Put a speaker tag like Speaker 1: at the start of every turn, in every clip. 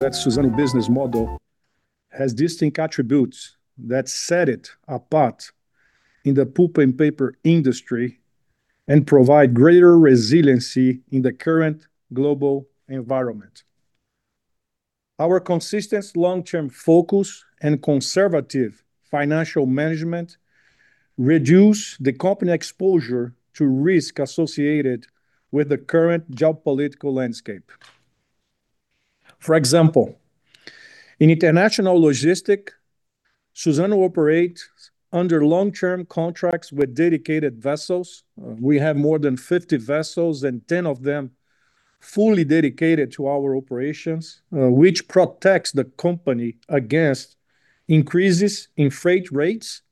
Speaker 1: That Suzano business model has distinct attributes that set it apart in the pulp and paper industry, and provide greater resiliency in the current global environment. Our consistent long-term focus and conservative financial management reduce the company exposure to risk associated with the current geopolitical landscape. For example, in international logistics, Suzano operates under long-term contracts with dedicated vessels. We have more than 50 vessels, and 10 of them fully dedicated to our operations, which protects the company against increases in freight rates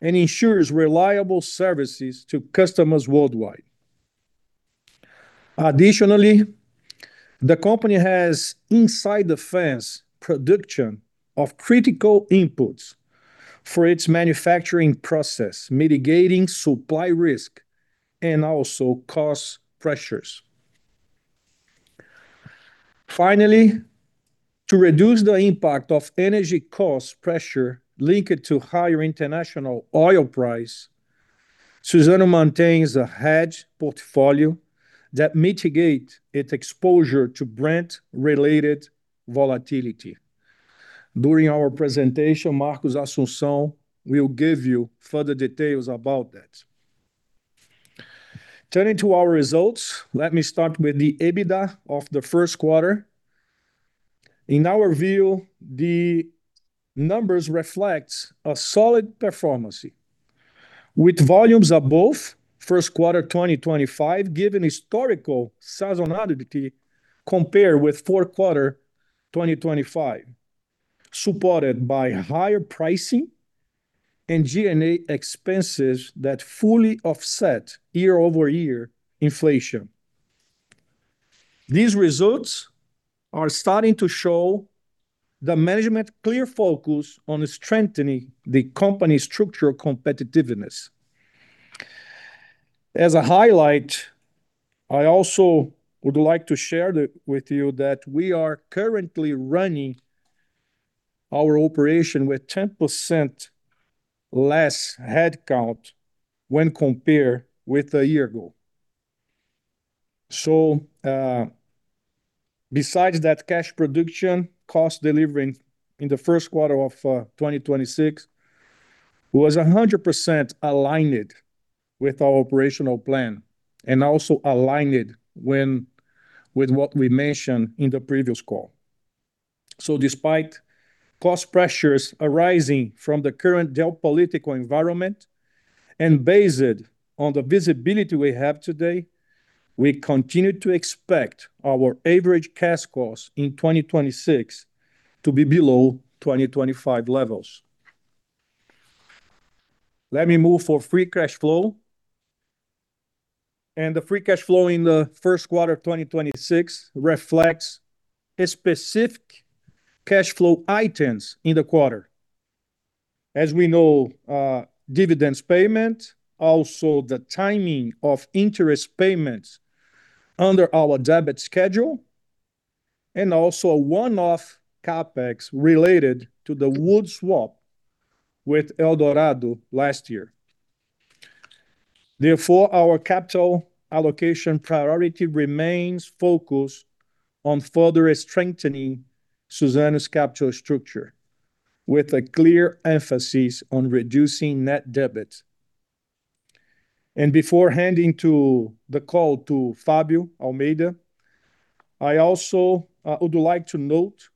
Speaker 1: and ensures reliable services to customers worldwide. Additionally, the company has inside the fence production of critical inputs for its manufacturing process, mitigating supply risk and also cost pressures. Finally, to reduce the impact of energy cost pressure linked to higher international oil price, Suzano maintains a hedge portfolio that mitigate its exposure to Brent related volatility. During our presentation, Marcos Assumpção will give you further details about that. Turning to our results, let me start with the EBITDA of the first quarter. In our view, the numbers reflects a solid performance with volumes above first quarter of 2025 given historical seasonality compared with fourth quarter 2025, supported by higher pricing and G&A expenses that fully offset year-over-year inflation. These results are starting to show the management clear focus on strengthening the company structural competitiveness. As a highlight, I also would like to share with you that we are currently running our operation with 10% less headcount when compared with a year ago. Besides that cash production cost delivering in the first quarter of 2026 was 100% aligned with our operational plan, and also aligned with what we mentioned in the previous call. Despite cost pressures arising from the current geopolitical environment, and based on the visibility we have today, we continue to expect our average cash costs in 2026 to be below 2025 levels. Let me move for free cash flow. The free cash flow in the first quarter of 2026 reflects specific cash flow items in the quarter. As we know, dividends payment, also the timing of interest payments under our debt schedule, and also a one-off CapEx related to the wood swap with Eldorado last year. Our capital allocation priority remains focused on further strengthening Suzano's capital structure with a clear emphasis on reducing net debt. Before handing to the call to Fabio Almeida, I also would like to note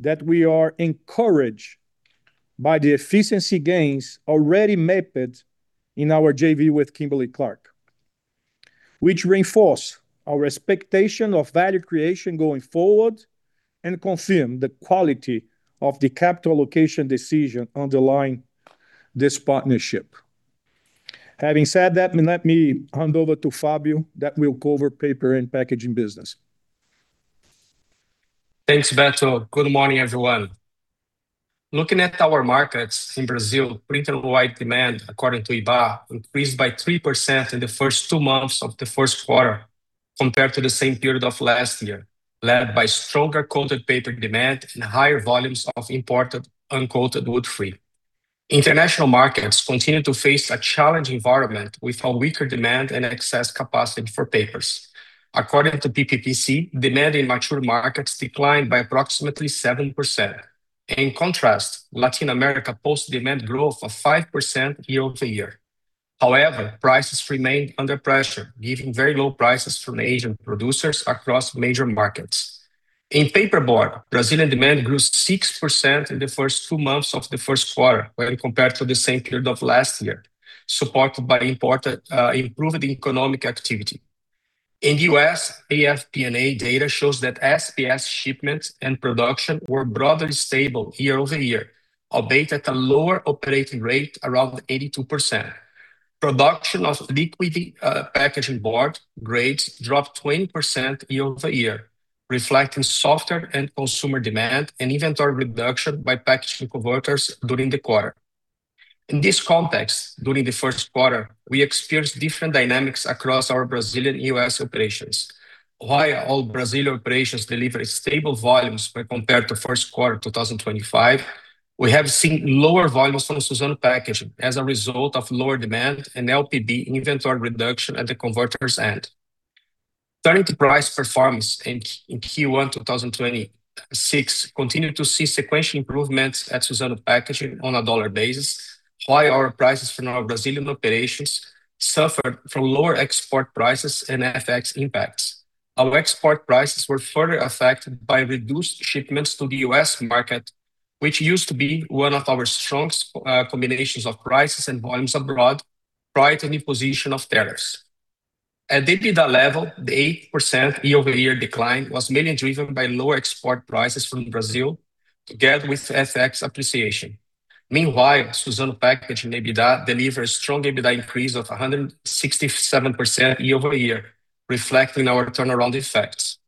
Speaker 1: that we are encouraged by the efficiency gains already mapped in our JV with Kimberly-Clark, which reinforce our expectation of value creation going forward and confirm the quality of the capital allocation decision underlying this partnership. Having said that, let me hand over to Fabio that will cover paper and packaging business.
Speaker 2: Thanks, Alberto. Good morning, everyone. Looking at our markets in Brazil, printing and writing demand, according to IBÁ, increased by 3% in the 1st two months of the 1st quarter compared to the same period of last year, led by stronger coated paper demand and higher volumes of imported uncoated wood-free. International markets continue to face a challenging environment with a weaker demand and excess capacity for papers. According to PPPC, demand in mature markets declined by approximately 7%. In contrast, Latin America posts demand growth of 5% year-over-year. However, prices remained under pressure, giving very low prices from Asian producers across major markets. In paperboard, Brazilian demand grew 6% in the 1st two months of the 1st quarter when compared to the same period of last year, supported by imported improved economic activity. In the U.S., AF&PA data shows that SBS shipments and production were broadly stable year-over-year, albeit at a lower operating rate around 82%. Production of liquid packaging board grades dropped 20% year-over-year, reflecting softer end consumer demand and inventory reduction by packaging converters during the quarter. In this context, during the first quarter, we experienced different dynamics across our Brazilian U.S. operations. While all Brazilian operations delivered stable volumes when compared to Q1 2025, we have seen lower volumes from Suzano Packaging as a result of lower demand and LPB inventory reduction at the converter's end. Turning to price performance in Q1 2026, continued to see sequential improvements at Suzano Packaging on a dollar basis, while our prices from our Brazilian operations suffered from lower export prices and FX impacts. Our export prices were further affected by reduced shipments to the U.S. market, which used to be one of our strongest combinations of prices and volumes abroad prior to the imposition of tariffs. At EBITDA level, the 8% year-over-year decline was mainly driven by lower export prices from Brazil together with FX appreciation. Meanwhile, Suzano Packaging EBITDA delivered strong EBITDA increase of 167% year-over-year, reflecting our turnaround effects.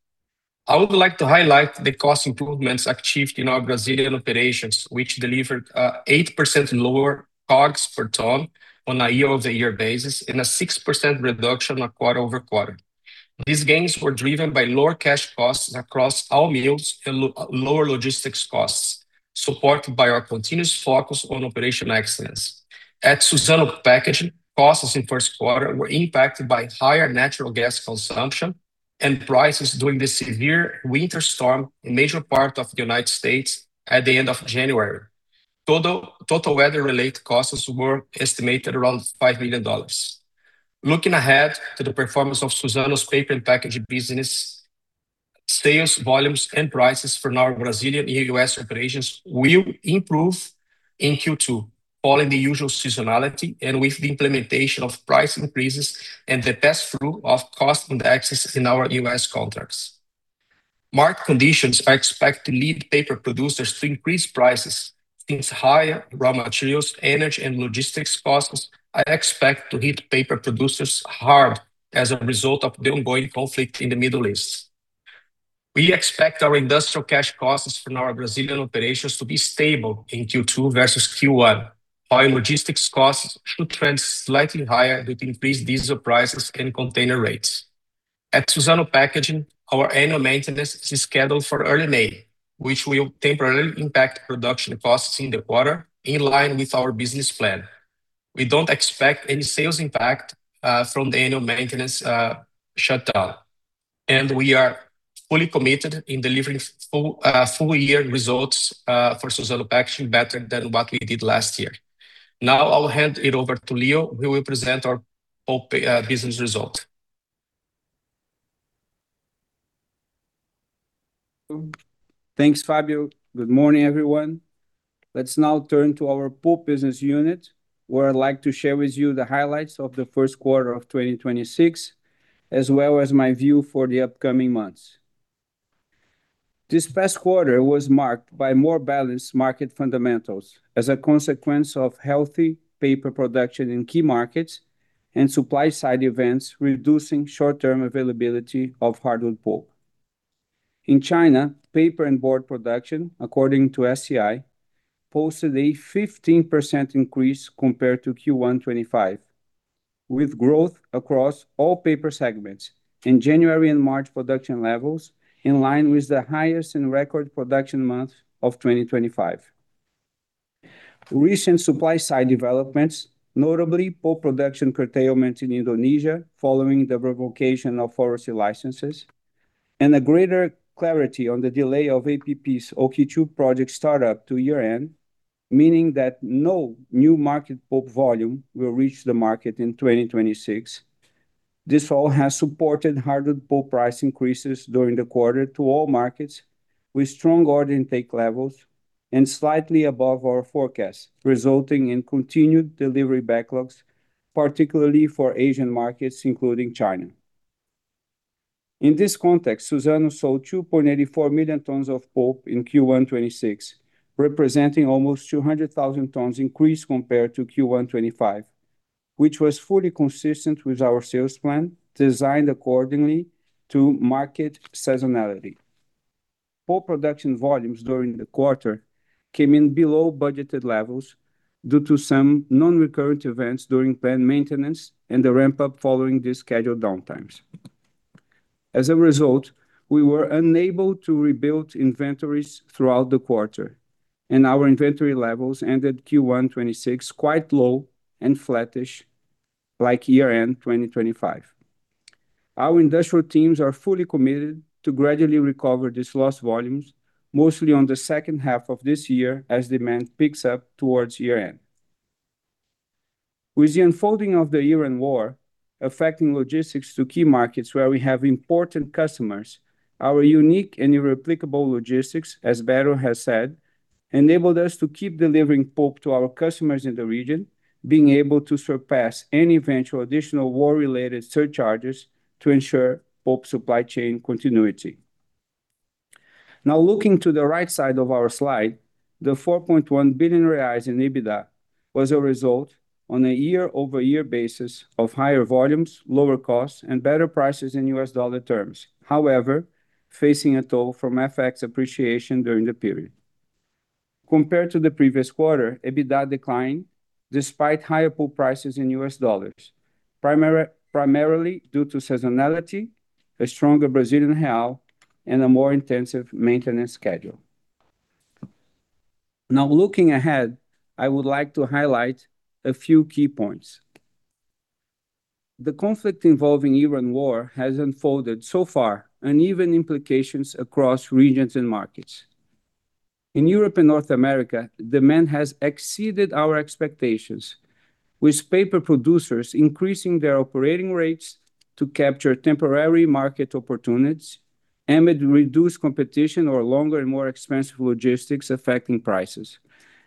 Speaker 2: I would like to highlight the cost improvements achieved in our Brazilian operations, which delivered 8% lower COGS per ton on a year-over-year basis and a 6% reduction on quarter-over-quarter. These gains were driven by lower cash costs across all mills and lower logistics costs, supported by our continuous focus on operational excellence. At Suzano Packaging, costs in first quarter were impacted by higher natural gas consumption and prices during the severe winter storm in major part of the U.S. at the end of January. Total weather-related costs were estimated around $5 million. Looking ahead to the performance of Suzano's paper and packaging business, sales volumes and prices for our Brazilian and U.S. operations will improve in Q2, following the usual seasonality and with the implementation of price increases and the pass-through of cost and the indexes in our U.S. contracts. Market conditions are expected to lead paper producers to increase prices since higher raw materials, energy, and logistics costs are expected to hit paper producers hard as a result of the ongoing conflict in the Middle East. We expect our industrial cash costs from our Brazilian operations to be stable in Q2 versus Q1, while logistics costs should trend slightly higher due to increased diesel prices and container rates. At Suzano Packaging, our annual maintenance is scheduled for early May, which will temporarily impact production costs in the quarter, in line with our business plan. We don't expect any sales impact from the annual maintenance shutdown, and we are fully committed in delivering full full-year results for Suzano Packaging better than what we did last year. I'll hand it over to Leo, who will present our Pulp business result.
Speaker 3: Thanks, Fabio. Good morning, everyone. Let's now turn to our Pulp Business Unit, where I'd like to share with you the highlights of the first quarter of 2026, as well as my view for the upcoming months. This past quarter was marked by more balanced market fundamentals as a consequence of healthy paper production in key markets and supply-side events reducing short-term availability of hardwood pulp. In China, paper and board production, according to SEI, posted a 15% increase compared to Q1 2025, with growth across all paper segments in January and March production levels in line with the highest in record production month of 2025. Recent supply-side developments, notably pulp production curtailment in Indonesia following the revocation of forestry licenses and a greater clarity on the delay of APP's OKI-2 project startup to year-end, meaning that no new market pulp volume will reach the market in 2026. This all has supported hardwood pulp price increases during the quarter to all markets with strong order intake levels and slightly above our forecast, resulting in continued delivery backlogs, particularly for Asian markets, including China. In this context, Suzano sold 2.84 million tons of pulp in Q1 2026, representing almost 200,000 tons increase compared to Q1 2025, which was fully consistent with our sales plan designed accordingly to market seasonality. Pulp production volumes during the quarter came in below budgeted levels due to some non-recurrent events during plant maintenance and the ramp-up following the scheduled downtimes. As a result, we were unable to rebuild inventories throughout the quarter, and our inventory levels ended Q1 2026 quite low and flattish like year-end 2025. Our industrial teams are fully committed to gradually recover these lost volumes, mostly on the 2nd half of this year as demand picks up towards year-end. With the unfolding of the year-end war affecting logistics to key markets where we have important customers, our unique and irreplaceable logistics, as Alberto has said, enabled us to keep delivering pulp to our customers in the region, being able to surpass any eventual additional war-related surcharges to ensure pulp supply chain continuity. Looking to the right side of our slide, the 4.1 billion reais in EBITDA was a result on a year-over-year basis of higher volumes, lower costs, and better prices in US dollar terms, however, facing a toll from FX appreciation during the period. Compared to the previous quarter, EBITDA declined despite higher pulp prices in US dollars, primarily due to seasonality, a stronger Brazilian real, and a more intensive maintenance schedule. Looking ahead, I would like to highlight a few key points. The conflict involving Iran war has unfolded so far, uneven implications across regions and markets. In Europe and North America, demand has exceeded our expectations with paper producers increasing their operating rates to capture temporary market opportunities amid reduced competition or longer and more expensive logistics affecting prices,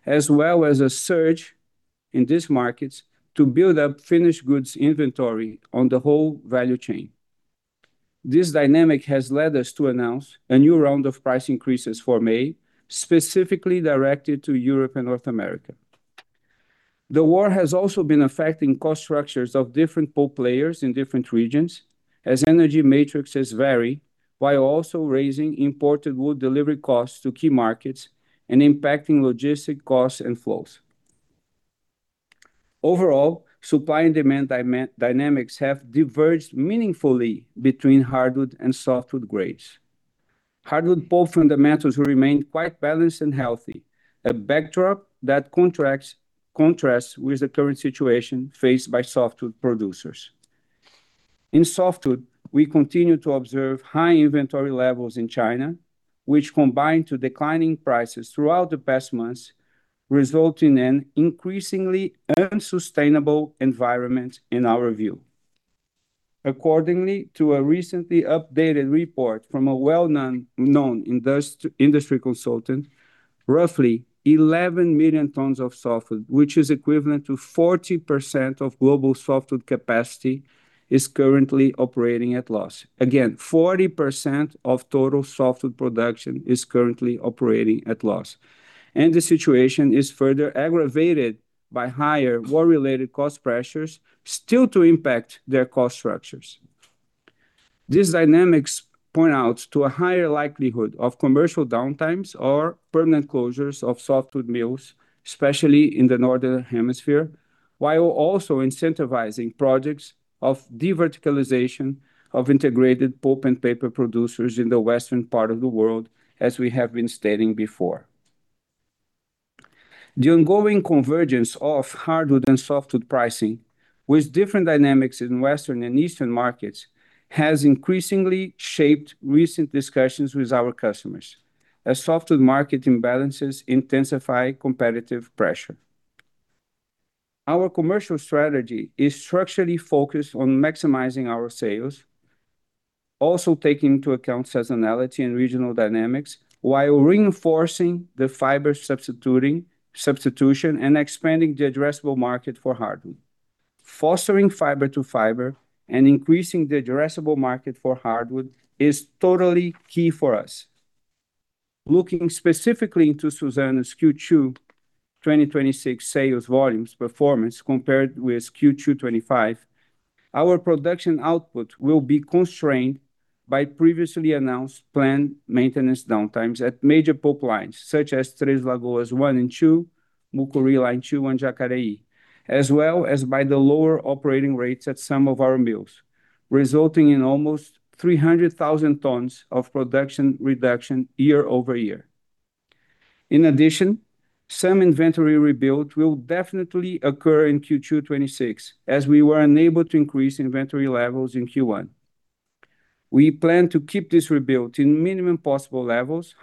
Speaker 3: as well as a surge in these markets to build up finished goods inventory on the whole value chain. This dynamic has led us to announce a new round of price increases for May, specifically directed to Europe and North America. The war has also been affecting cost structures of different pulp players in different regions as energy matrixes vary, while also raising imported wood delivery costs to key markets and impacting logistic costs and flows. Overall, supply and demand dynamics have diverged meaningfully between hardwood and softwood grades. Hardwood pulp fundamentals will remain quite balanced and healthy, a backdrop that contrasts with the current situation faced by softwood producers. In softwood, we continue to observe high inventory levels in China, which combined to declining prices throughout the past months, result in an increasingly unsustainable environment in our view. According to a recently updated report from a well-known industry consultant, roughly 11 million tons of softwood, which is equivalent to 40% of global softwood capacity, is currently operating at a loss. Again, 40% of total softwood production is currently operating at a loss. The situation is further aggravated by higher war-related cost pressures still to impact their cost structures. These dynamics point out to a higher likelihood of commercial downtimes or permanent closures of softwood mills, especially in the Northern Hemisphere, while also incentivizing projects of de-verticalization of integrated pulp and paper producers in the western part of the world, as we have been stating before. The ongoing convergence of hardwood and softwood pricing with different dynamics in Western and Eastern markets has increasingly shaped recent discussions with our customers as softwood market imbalances intensify competitive pressure. Our commercial strategy is structurally focused on maximizing our sales, also taking into account seasonality and regional dynamics while reinforcing the fiber substitution and expanding the addressable market for hardwood. Fostering fiber to fiber and increasing the addressable market for hardwood is totally key for us. Looking specifically into Suzano's Q2 2026 sales volumes performance compared with Q2 2025, our production output will be constrained by previously announced planned maintenance downtimes at major pulp lines, such as Três Lagoas 1 and 2, Mucuri Line 2, and Jacareí. As well as by the lower operating rates at some of our mills, resulting in almost 300,000 tons of production reduction year-over-year. In addition, some inventory rebuild will definitely occur in Q2 2026 as we were unable to increase inventory levels in Q1. We plan to keep this rebuild in minimum possible levels.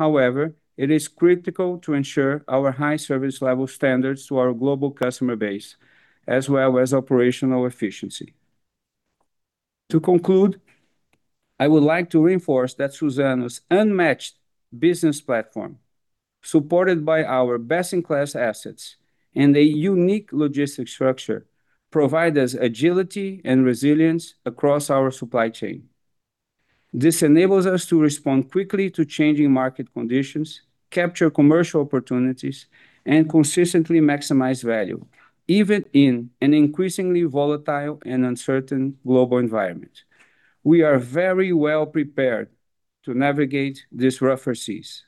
Speaker 3: It is critical to ensure our high service level standards to our global customer base, as well as operational efficiency. To conclude, I would like to reinforce that Suzano's unmatched business platform, supported by our best-in-class assets and a unique logistics structure, provide us agility and resilience across our supply chain. This enables us to respond quickly to changing market conditions, capture commercial opportunities, and consistently maximize value, even in an increasingly volatile and uncertain global environment. We are very well prepared to navigate these rougher seas.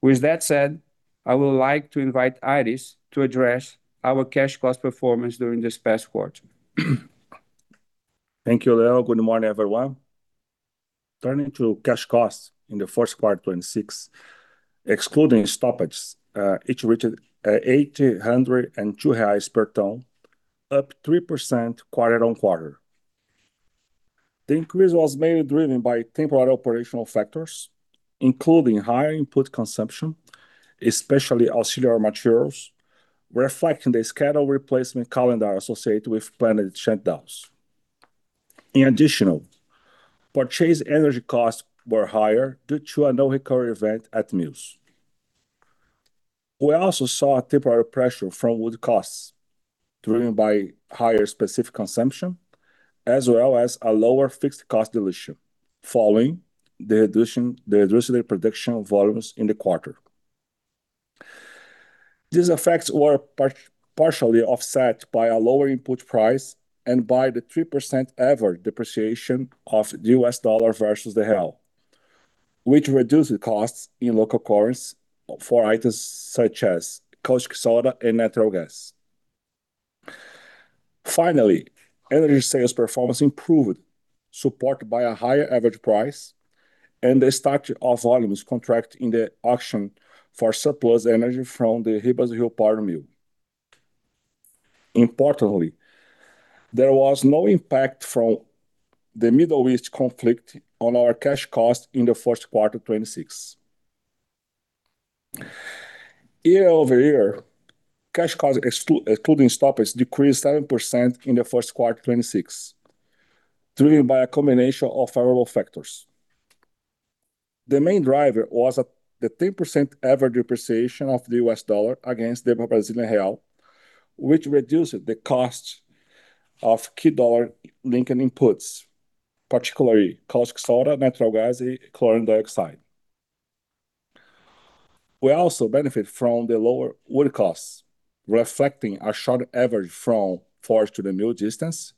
Speaker 3: With that said, I would like to invite Aires to address our cash cost performance during this past quarter.
Speaker 4: Thank you, Leo. Good morning, everyone. Cash costs in the first quarter 2026, excluding stoppages, it reached 802 reais per ton, up 3% quarter-on-quarter. The increase was mainly driven by temporary operational factors, including higher input consumption, especially auxiliary materials, reflecting the scheduled replacement calendar associated with planned shutdowns. In addition, purchased energy costs were higher due to a no recur event at mills. We also saw a temporary pressure from wood costs driven by higher specific consumption, as well as a lower fixed cost dilution following the addition of production volumes in the quarter. These effects were partially offset by a lower input price and by the 3% average depreciation of the US dollar versus the real, which reduced the costs in local currency for items such as caustic soda and natural gas. Finally, energy sales performance improved, supported by a higher average price and the start of volumes contract in the auction for surplus energy from the Ribas do Rio Pardo mill. Importantly, there was no impact from the Middle East conflict on our cash cost in the first quarter 2026. Year-over-year, cash costs excluding stoppages decreased 7% in the first quarter 2026, driven by a combination of favorable factors. The main driver was the 10% average depreciation of the U.S. dollar against the Brazilian real, which reduced the cost of key dollar linking inputs, particularly caustic soda, natural gas and chlorine dioxide. We also benefit from the lower wood costs, reflecting a shorter average from forest to the mill distance,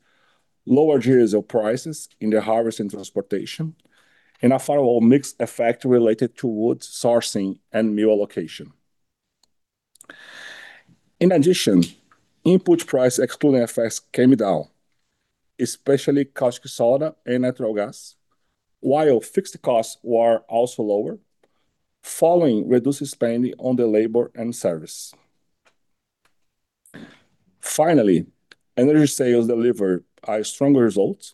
Speaker 4: lower diesel prices in the harvest and transportation, and a favorable mixed effect related to wood sourcing and mill allocation. In addition, input price excluding effects came down, especially caustic soda and natural gas, while fixed costs were also lower following reduced spending on the labor and service. Energy sales delivered a stronger result,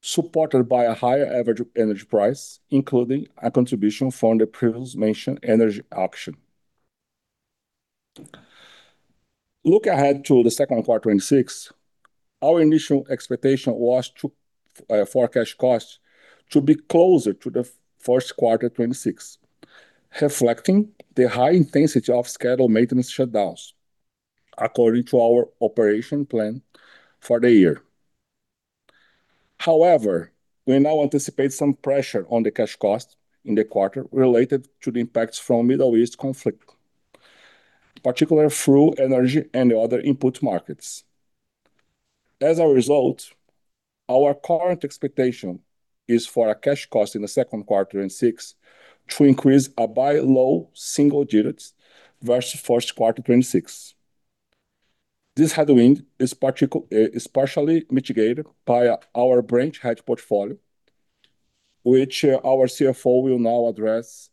Speaker 4: supported by a higher average energy price, including a contribution from the previously mentioned energy auction. Look ahead to the second quarter 2026. Our initial expectation was for cash costs to be closer to the first quarter 2026, reflecting the high intensity of scheduled maintenance shutdowns according to our operation plan for the year. We now anticipate some pressure on the cash cost in the quarter related to the impacts from Middle East conflict, particularly through energy and other input markets. Our current expectation is for our cash cost in the second quarter 2026 to increase by low single digits versus first quarter 2026. This headwind is partially mitigated by our Brent hedge portfolio, which our CFO will now address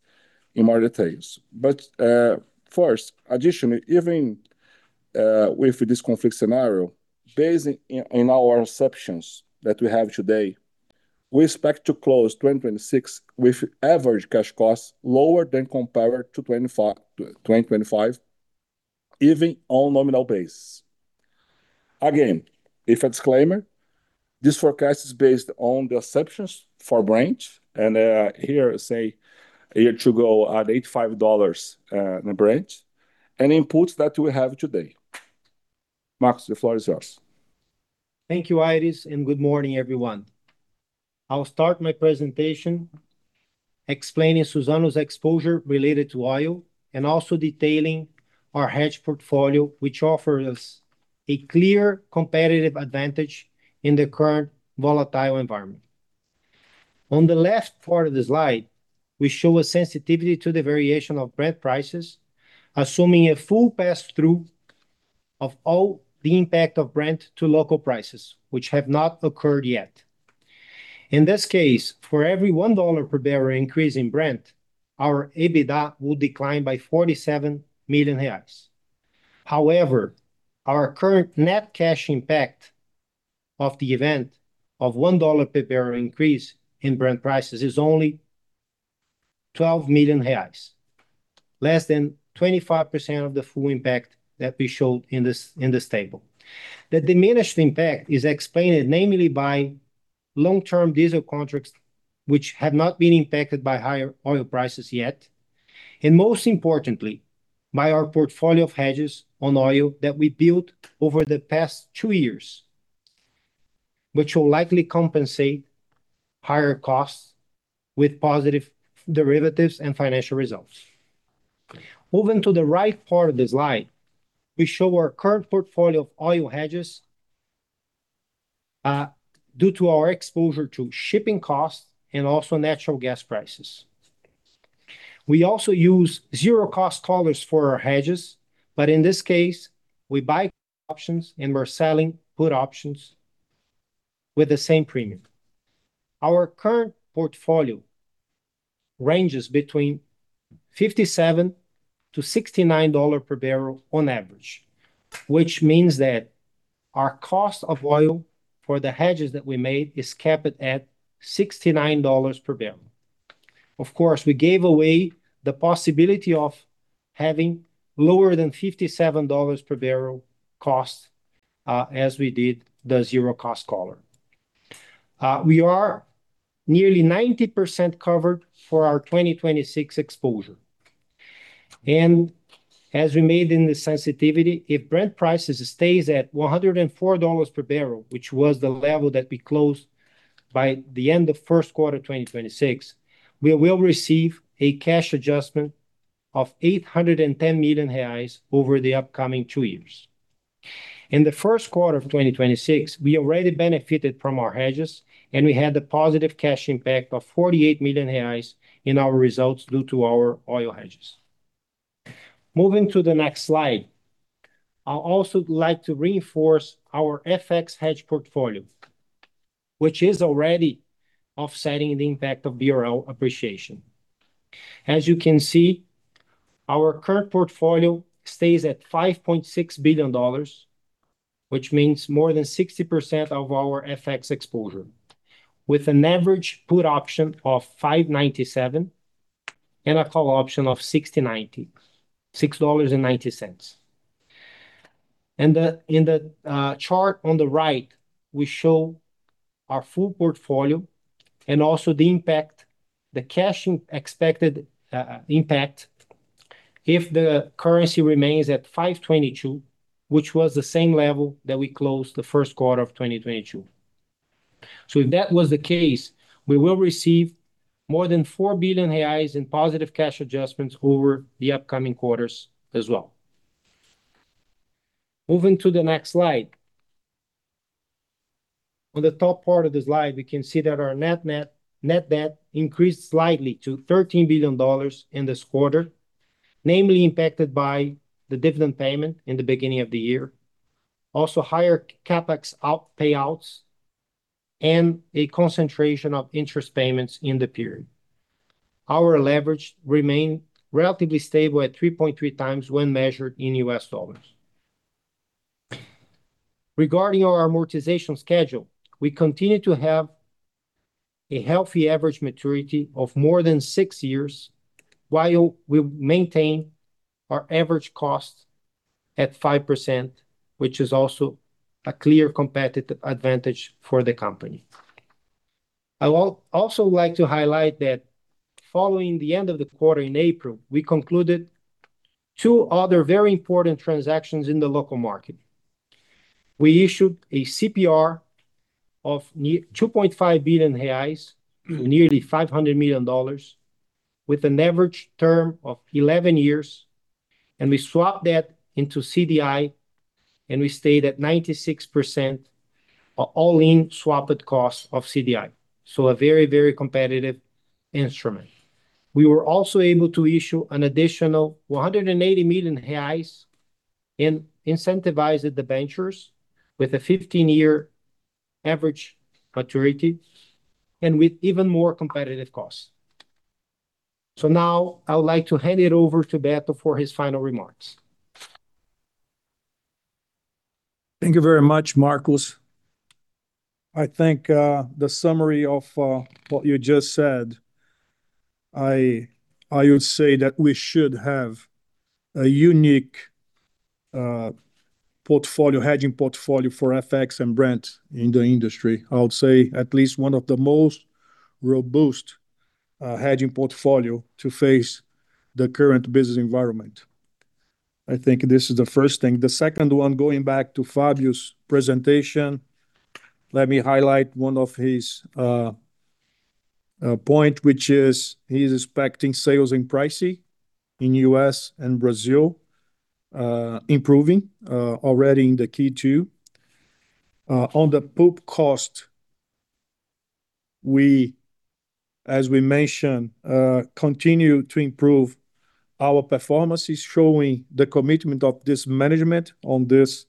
Speaker 4: in more details. First, additionally, even with this conflict scenario, based in our assumptions that we have today, we expect to close 2026 with average cash costs lower than compared to 2024, 2025, even on nominal basis. Again, a disclaimer, this forecast is based on the assumptions for Brent and here say a year to go at $85 the Brent, and inputs that we have today. Marcos, the floor is yours.
Speaker 5: Thank you, Aires. Good morning, everyone. I'll start my presentation explaining Suzano's exposure related to oil and also detailing our hedge portfolio, which offers a clear competitive advantage in the current volatile environment. On the left part of the slide, we show a sensitivity to the variation of Brent prices, assuming a full pass-through of all the impact of Brent to local prices, which have not occurred yet. In this case, for every $1 per barrel increase in Brent, our EBITDA will decline by 47 million reais. However, our current net cash impact of the event of $1 per barrel increase in Brent prices is only 12 million reais, less than 25% of the full impact that we showed in this table. The diminished impact is explained namely by long-term diesel contracts which have not been impacted by higher oil prices yet, and most importantly, by our portfolio of hedges on oil that we built over the past two years, which will likely compensate higher costs with positive derivatives and financial results. Moving to the right part of the slide, we show our current portfolio of oil hedges, due to our exposure to shipping costs and also natural gas prices. We also use zero-cost collars for our hedges, but in this case, we buy options and we're selling put options with the same premium. Our current portfolio ranges between $57-$69 per barrel on average, which means that our cost of oil for the hedges that we made is capped at $69 per barrel. Of course, we gave away the possibility of having lower than $57 per barrel cost, as we did the zero-cost collar. We are nearly 90% covered for our 2026 exposure. As we made in the sensitivity, if Brent prices stays at $104 per barrel, which was the level that we closed by the end of first quarter 2026, we will receive a cash adjustment of 810 million reais over the upcoming two years. In the first quarter of 2026, we already benefited from our hedges, and we had the positive cash impact of 48 million reais in our results due to our oil hedges. Moving to the next slide. I also like to reinforce our FX hedge portfolio, which is already offsetting the impact of BRL appreciation. As you can see, our current portfolio stays at $5.6 billion, which means more than 60% of our FX exposure, with an average put option of $5.97 and a call option of $6.90. The chart on the right, we show our full portfolio and also the impact, the cash expected impact if the currency remains at 5.22, which was the same level that we closed the first quarter of 2022. If that was the case, we will receive more than 4 billion reais in positive cash adjustments over the upcoming quarters as well. Moving to the next slide. On the top part of the slide, we can see that our net debt increased slightly to $13 billion in this quarter, namely impacted by the dividend payment in the beginning of the year. Also higher CapEx out payouts and a concentration of interest payments in the period. Our leverage remain relatively stable at 3.3x when measured in US dollars. Regarding our amortization schedule, we continue to have a healthy average maturity of more than six years, while we maintain our average cost at 5%, which is also a clear competitive advantage for the company. I also like to highlight that following the end of the quarter in April, we concluded two other very important transactions in the local market. We issued a CPR of near 2.5 billion reais, nearly $500 million, with an average term of 11 years, and we swapped that into CDI, and we stayed at 96% all-in swapped cost of CDI. A very, very competitive instrument. We were also able to issue an additional 180 million reais in incentivized debentures with a 15-year average maturity and with even more competitive costs. Now I would like to hand it over to Alberto for his final remarks.
Speaker 1: Thank you very much, Marcos. I think the summary of what you just said, I would say that we should have a unique portfolio, hedging portfolio for FX and Brent in the industry. I would say at least one of the most robust hedging portfolio to face the current business environment. I think this is the first thing. The second one, going back to Fabio's presentation, let me highlight one of his point, which is he is expecting sales in pricey in U.S. and Brazil improving already in the Q2. On the pulp cost, we, as we mentioned, continue to improve our performance, is showing the commitment of this management on this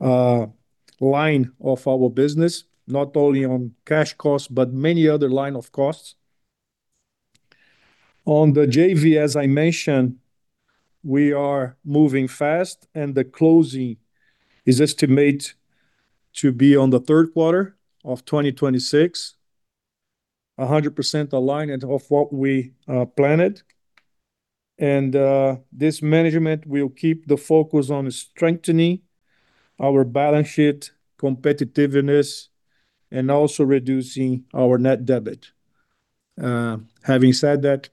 Speaker 1: line of our business, not only on cash costs, but many other line of costs. On the JV, as I mentioned, we are moving fast and the closing is estimated to be on the third quarter of 2026. A 100% alignment of what we planned. This management will keep the focus on strengthening our balance sheet, competitiveness, and also reducing our net debit. Having said that,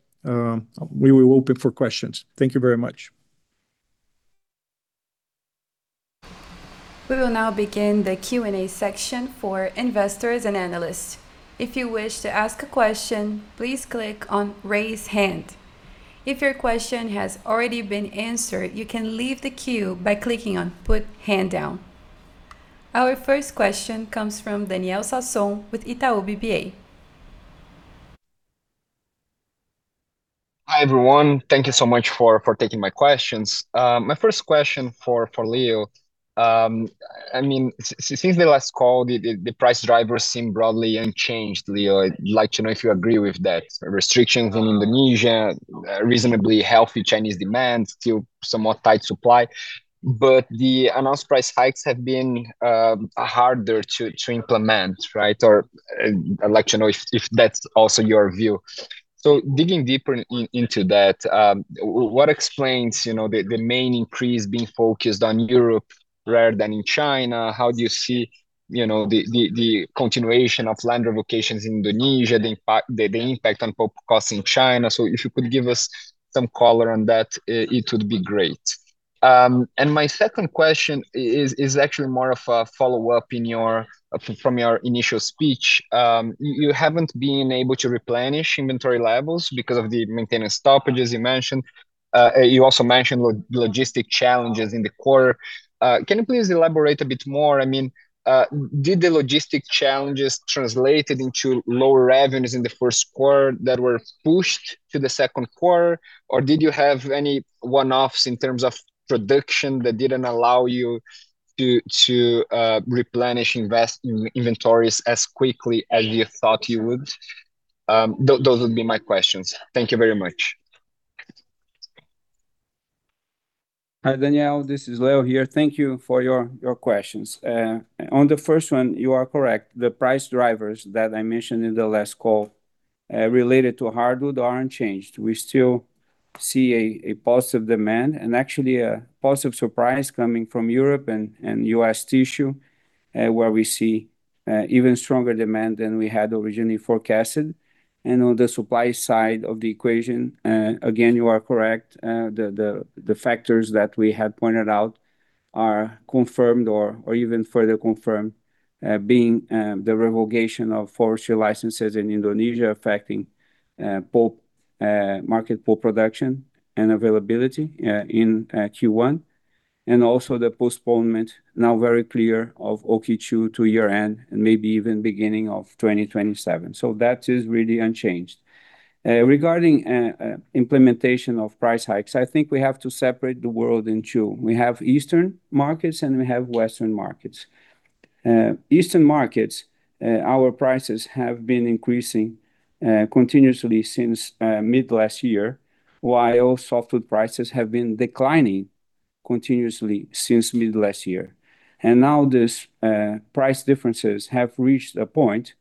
Speaker 1: we will open for questions. Thank you very much.
Speaker 6: We will now begin the Q&A section for investors and analysts. If you wish to ask a question, please click on raise hand. If your question has already been answered, you can leave the queue by clicking on Put Hand Down. Our first question comes from Daniel Sasson with Itau BBA.
Speaker 7: Hi, everyone. Thank you so much for taking my questions. My first question for Leo. I mean, since the last call, the price drivers seem broadly unchanged, Leo. I'd like to know if you agree with that. Restrictions in Indonesia, reasonably healthy Chinese demand, still somewhat tight supply. The announced price hikes have been harder to implement, right? I'd like to know if that's also your view. Digging deeper into that, what explains, you know, the main increase being focused on Europe rather than in China? How do you see, you know, the continuation of land revocations in Indonesia, the impact on pulp costs in China? If you could give us some color on that, it would be great. My second question is actually more of a follow-up in your, from your initial speech. You haven't been able to replenish inventory levels because of the maintenance stoppages you mentioned. You also mentioned logistic challenges in the quarter. Can you please elaborate a bit more? I mean, did the logistic challenges translated into lower revenues in the first quarter that were pushed to the second quarter, or did you have any one-offs in terms of production that didn't allow you to replenish inventories as quickly as you thought you would? Those would be my questions. Thank you very much.
Speaker 3: Hi, Daniel. This is Leo here. Thank you for your questions. On the first one, you are correct. The price drivers that I mentioned in the last call, related to hardwood are unchanged. We still see a positive demand and actually a positive surprise coming from Europe and U.S. tissue, where we see even stronger demand than we had originally forecasted. On the supply side of the equation, again, you are correct. The factors that we had pointed out are confirmed or even further confirmed, being the revocation of forestry licenses in Indonesia affecting pulp, market pulp production and availability in Q1. Also the postponement, now very clear, of OKI-2 to year-end and maybe even beginning of 2027. That is really unchanged. Regarding implementation of price hikes, I think we have to separate the world in two. We have Eastern markets, and we have Western markets. Eastern markets, our prices have been increasing continuously since mid last year, while softwood prices have been declining continuously since mid last year. Now this price differences have reached a point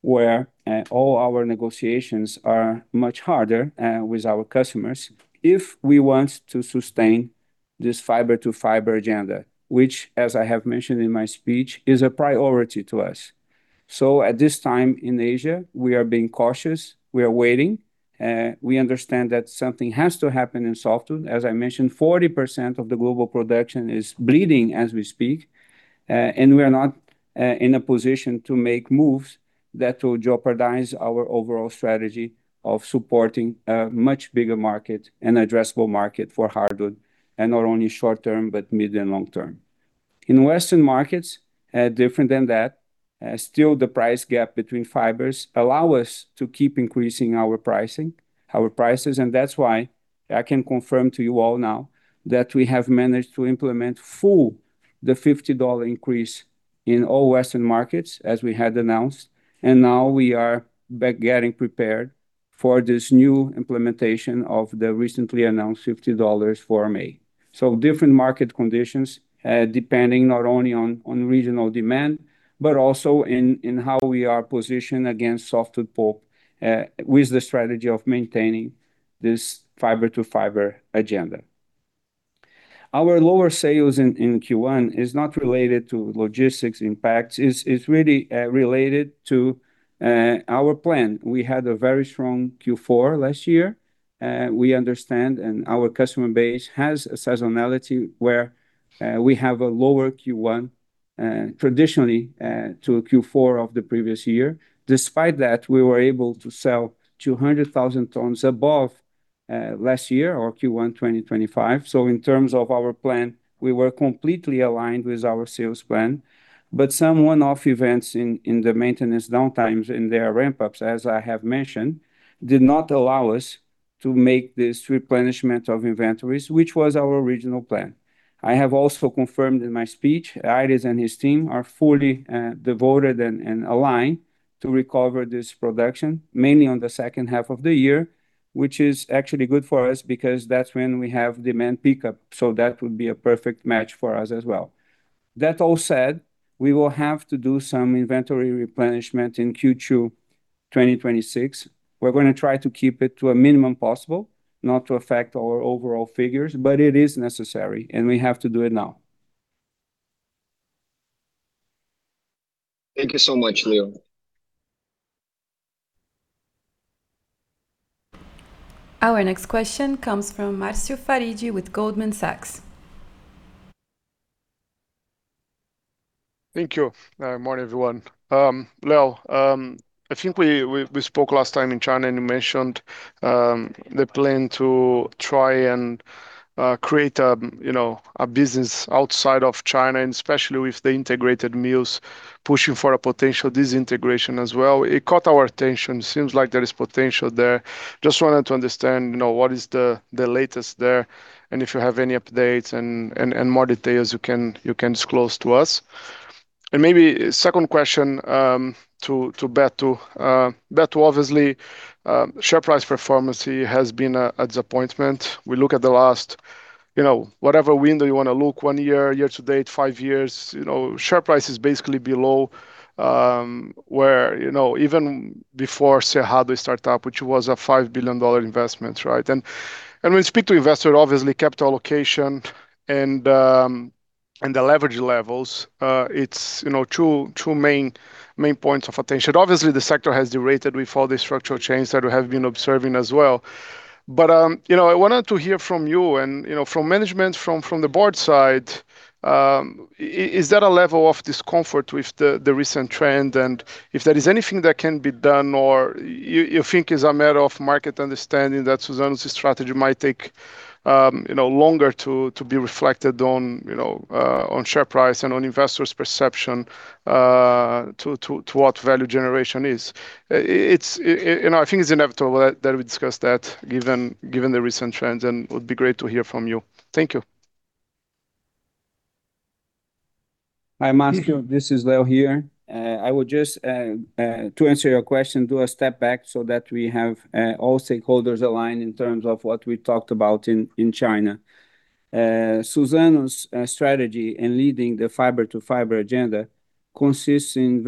Speaker 3: where all our negotiations are much harder with our customers if we want to sustain this fiber to fiber agenda, which as I have mentioned in my speech, is a priority to us. At this time in Asia, we are being cautious. We are waiting. We understand that something has to happen in softwood. As I mentioned, 40% of the global production is bleeding as we speak. We are not in a position to make moves that will jeopardize our overall strategy of supporting a much bigger market, an addressable market for hardwood in not only short-term, but mid and long-term. In Western markets, different than that, still the price gap between fibers allow us to keep increasing our pricing, our prices. That's why I can confirm to you all now that we have managed to implement full the $50 increase in all Western markets as we had announced, and now we are back getting prepared for this new implementation of the recently announced $50 for May. Different market conditions, depending not only on regional demand, but also in how we are positioned against softwood pulp, with the strategy of maintaining this fiber to fiber agenda. Our lower sales in Q1 is not related to logistics impacts. It's really related to our plan. We had a very strong Q4 last year. We understand and our customer base has a seasonality where we have a lower Q1 traditionally to a Q4 of the previous year. Despite that, we were able to sell 200,000 tons above last year or Q1 2025. In terms of our plan, we were completely aligned with our sales plan, but some one-off events in the maintenance downtimes and their ramp-ups, as I have mentioned, did not allow us to make this replenishment of inventories, which was our original plan. I have also confirmed in my speech, Aires and his team are fully devoted and aligned to recover this production, mainly on the second half of the year, which is actually good for us because that's when we have demand pickup. That would be a perfect match for us as well. That all said, we will have to do some inventory replenishment in Q2 2026. We're gonna try to keep it to a minimum possible, not to affect our overall figures, but it is necessary, and we have to do it now.
Speaker 7: Thank you so much, Leo.
Speaker 6: Our next question comes from Marcio Farid with Goldman Sachs.
Speaker 8: Thank you. Morning, everyone. Leo, I think we spoke last time in China, and you mentioned the plan to try and create, you know, a business outside of China, and especially with the integrated mills pushing for a potential disintegration as well. It caught our attention. Seems like there is potential there. Just wanted to understand, you know, what is the latest there, and if you have any updates and more details you can disclose to us. Maybe second question to Alberto. Alberto, obviously, share price performance has been a disappointment. We look at the last, you know, whatever window you wanna look, one year to date, five years, you know, share price is basically below, where, you know, even before Cerrado start up, which was a $5 billion investment, right? We speak to investor, obviously capital allocation and the leverage levels, it's, you know, two main points of attention. Obviously the sector has derated with all the structural change that we have been observing as well. I wanted to hear from you and, you know, from management from the board side, is there a level of discomfort with the recent trend? If there is anything that can be done or you think it's a matter of market understanding that Suzano's strategy might take, you know, longer to be reflected on share price and on investors perception to what value generation is. I think it's inevitable that we discuss that given the recent trends, it would be great to hear from you. Thank you.
Speaker 3: Hi, Marcio. This is Leo here. I would just to answer your question, do a step back so that we have all stakeholders aligned in terms of what we talked about in China. Suzano's strategy in leading the fiber to fiber agenda consists in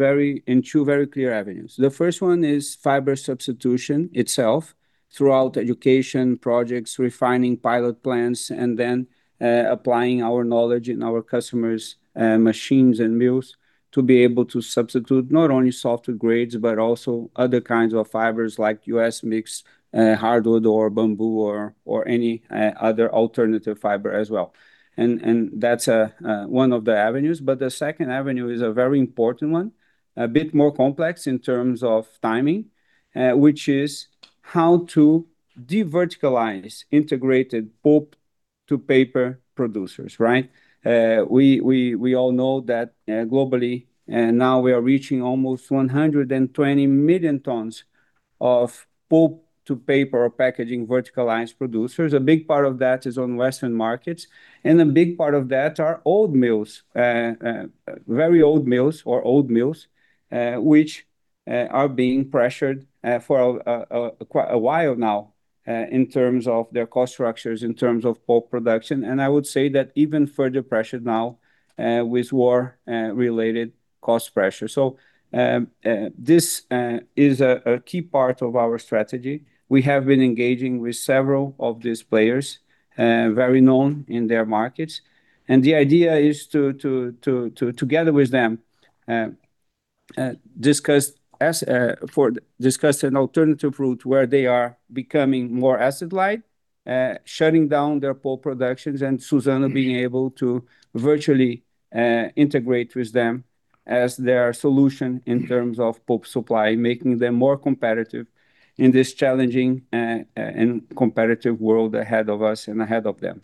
Speaker 3: two very clear avenues. The first one is fiber substitution itself throughout education projects, refining pilot plans, and then applying our knowledge in our customers machines and mills to be able to substitute not only softer grades, but also other kinds of fibers like U.S. mix, hardwood or bamboo or any other alternative fiber as well. That's a one of the avenues. The second avenue is a very important one, a bit more complex in terms of timing, which is how to deverticalize integrated pulp to paper producers, right? We all know that globally, now we are reaching almost 120 million tons of pulp to paper or packaging vertical lines producers. A big part of that is on Western markets, and a big part of that are old mills. Very old mills or old mills which are being pressured for a quite a while now in terms of their cost structures, in terms of pulp production. I would say that even further pressure now with war related cost pressure. This is a key part of our strategy. We have been engaging with several of these players, very known in their markets. The idea is to together with them discuss an alternative route where they are becoming more asset light, shutting down their pulp productions and Suzano being able to virtually integrate with them as their solution in terms of pulp supply, making them more competitive in this challenging and competitive world ahead of us and ahead of them.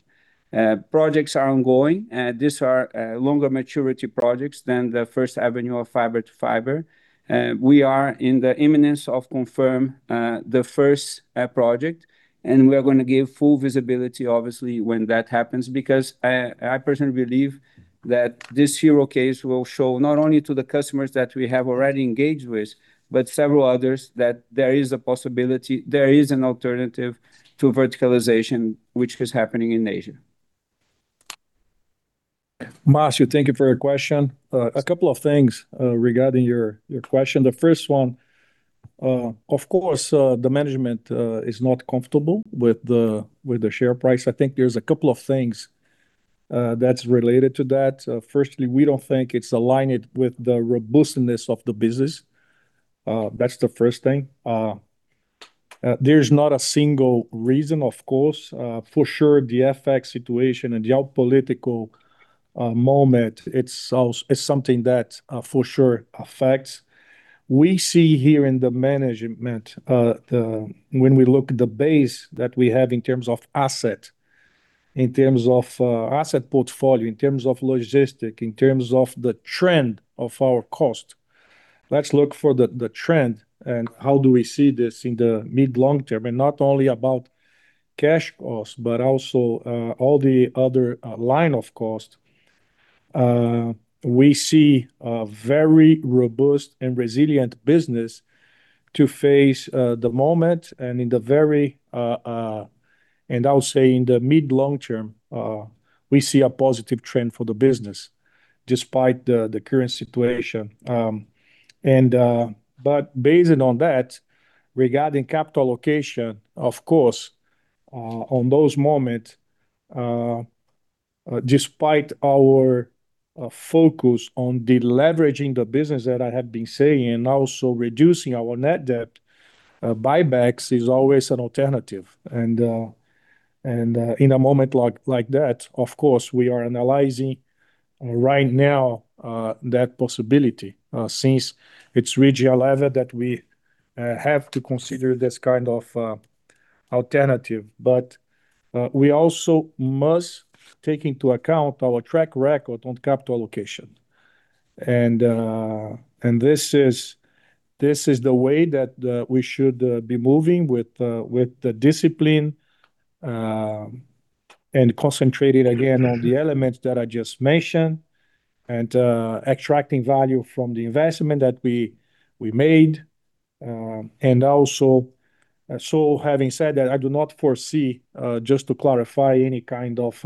Speaker 3: Projects are ongoing. These are longer maturity projects than the first avenue of fiber to fiber. We are in the imminence of confirm the first project, and we are gonna give full visibility obviously when that happens. Because I personally believe that this hero case will show not only to the customers that we have already engaged with, but several others that there is a possibility, there is an alternative to verticalization which is happening in Asia.
Speaker 1: Marcio, thank you for your question. A couple of things regarding your question. The first one, of course, the management is not comfortable with the share price. I think there's a couple of things that's related to that. Firstly, we don't think it's aligned with the robustness of the business. That's the first thing. There's not a single reason, of course. For sure the FX situation and the geopolitical moment, it's something that for sure affects. We see here in the management when we look the base that we have in terms of asset, in terms of asset portfolio, in terms of logistic, in terms of the trend of our cost. Let's look for the trend and how do we see this in the mid long term, and not only about cash costs, but also all the other line of cost. We see a very robust and resilient business to face the moment and in the very, and I would say in the mid long term, we see a positive trend for the business despite the current situation. Based on that, regarding capital allocation, of course, on those moment, despite our focus on deleveraging the business that I have been saying and also reducing our net debt, buybacks is always an alternative. In a moment like that, of course, we are analyzing right now that possibility, since it's regional level that we have to consider this kind of alternative. We also must take into account our track record on capital allocation. This is the way that we should be moving with the discipline and concentrated again on the elements that I just mentioned and extracting value from the investment that we made. Having said that, I do not foresee, just to clarify, any kind of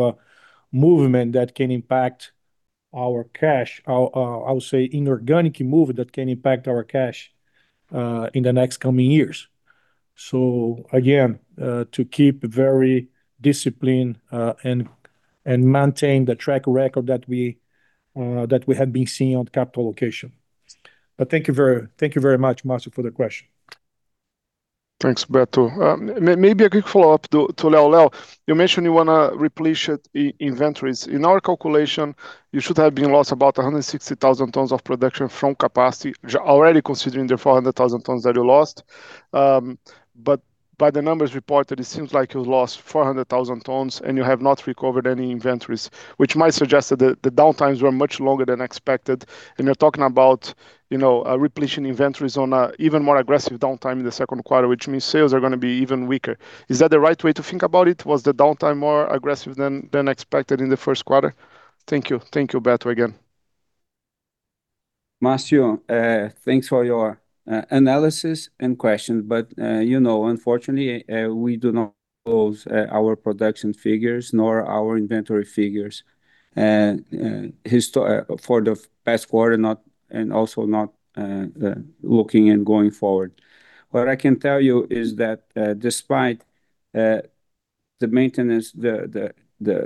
Speaker 1: movement that can impact our cash. Our, I would say inorganic move that can impact our cash in the next coming years. Again, to keep very disciplined, and maintain the track record that we that we have been seeing on capital allocation. Thank you very much, Marcio, for the question.
Speaker 8: Thanks, Alberto. Maybe a quick follow-up to Leo. Leo, you mentioned you wanna replenish inventories. In our calculation, you should have been lost about 160,000 tons of production from capacity already considering the 400,000 tons that you lost. But by the numbers reported, it seems like you lost 400,000 tons. You have not recovered any inventories, which might suggest that the downtimes were much longer than expected. You're talking about, you know, replenishing inventories on a even more aggressive downtime in the 2nd quarter, which means sales are gonna be even weaker. Is that the right way to think about it? Was the downtime more aggressive than expected in the 1st quarter? Thank you. Thank you, Alberto, again.
Speaker 3: Marcio, thanks for your analysis and questions, but unfortunately, we do not close our production figures nor our inventory figures for the past quarter, and also not looking and going forward. What I can tell you is that despite the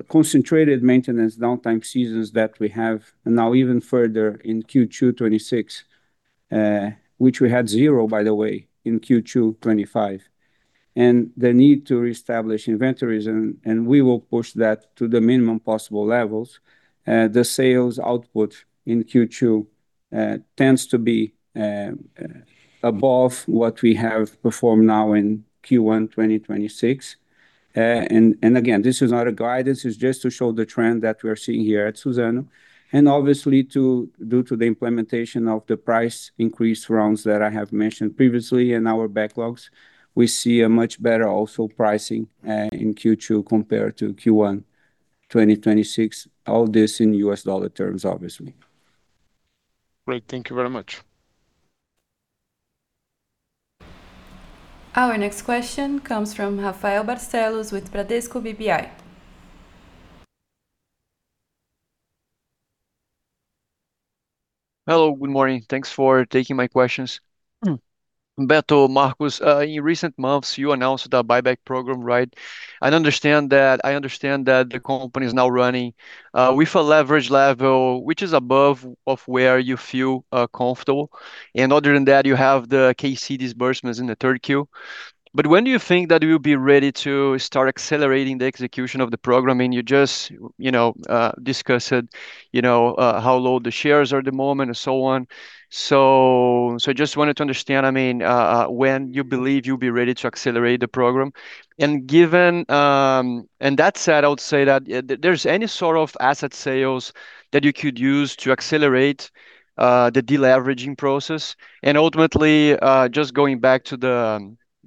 Speaker 3: concentrated maintenance downtime seasons that we have now even further in Q2 2026, which we had zero, by the way, in Q2 2025. The need to reestablish inventories and we will push that to the minimum possible levels. The sales output in Q2 tends to be above what we have performed now in Q1 2026. Again, this is not a guidance. It's just to show the trend that we are seeing here at Suzano. Obviously due to the implementation of the price increase rounds that I have mentioned previously in our backlogs, we see a much better also pricing in Q2 compared to Q1 2026. All this in US dollar terms, obviously.
Speaker 8: Great. Thank you very much.
Speaker 6: Our next question comes from Rafael Barcellos with Bradesco BBI.
Speaker 9: Hello, good morning. Thanks for taking my questions. Alberto, Marcos, in recent months you announced a buyback program, right? I understand that the company is now running with a leverage level which is above of where you feel comfortable. Other than that, you have the KC disbursements in the 3Q. When do you think that you'll be ready to start accelerating the execution of the program? You just, you know, discussed, you know, how low the shares are at the moment and so on. So just wanted to understand, I mean, when you believe you'll be ready to accelerate the program. Given, and that said, I would say that there's any sort of asset sales that you could use to accelerate the deleveraging process. Just going back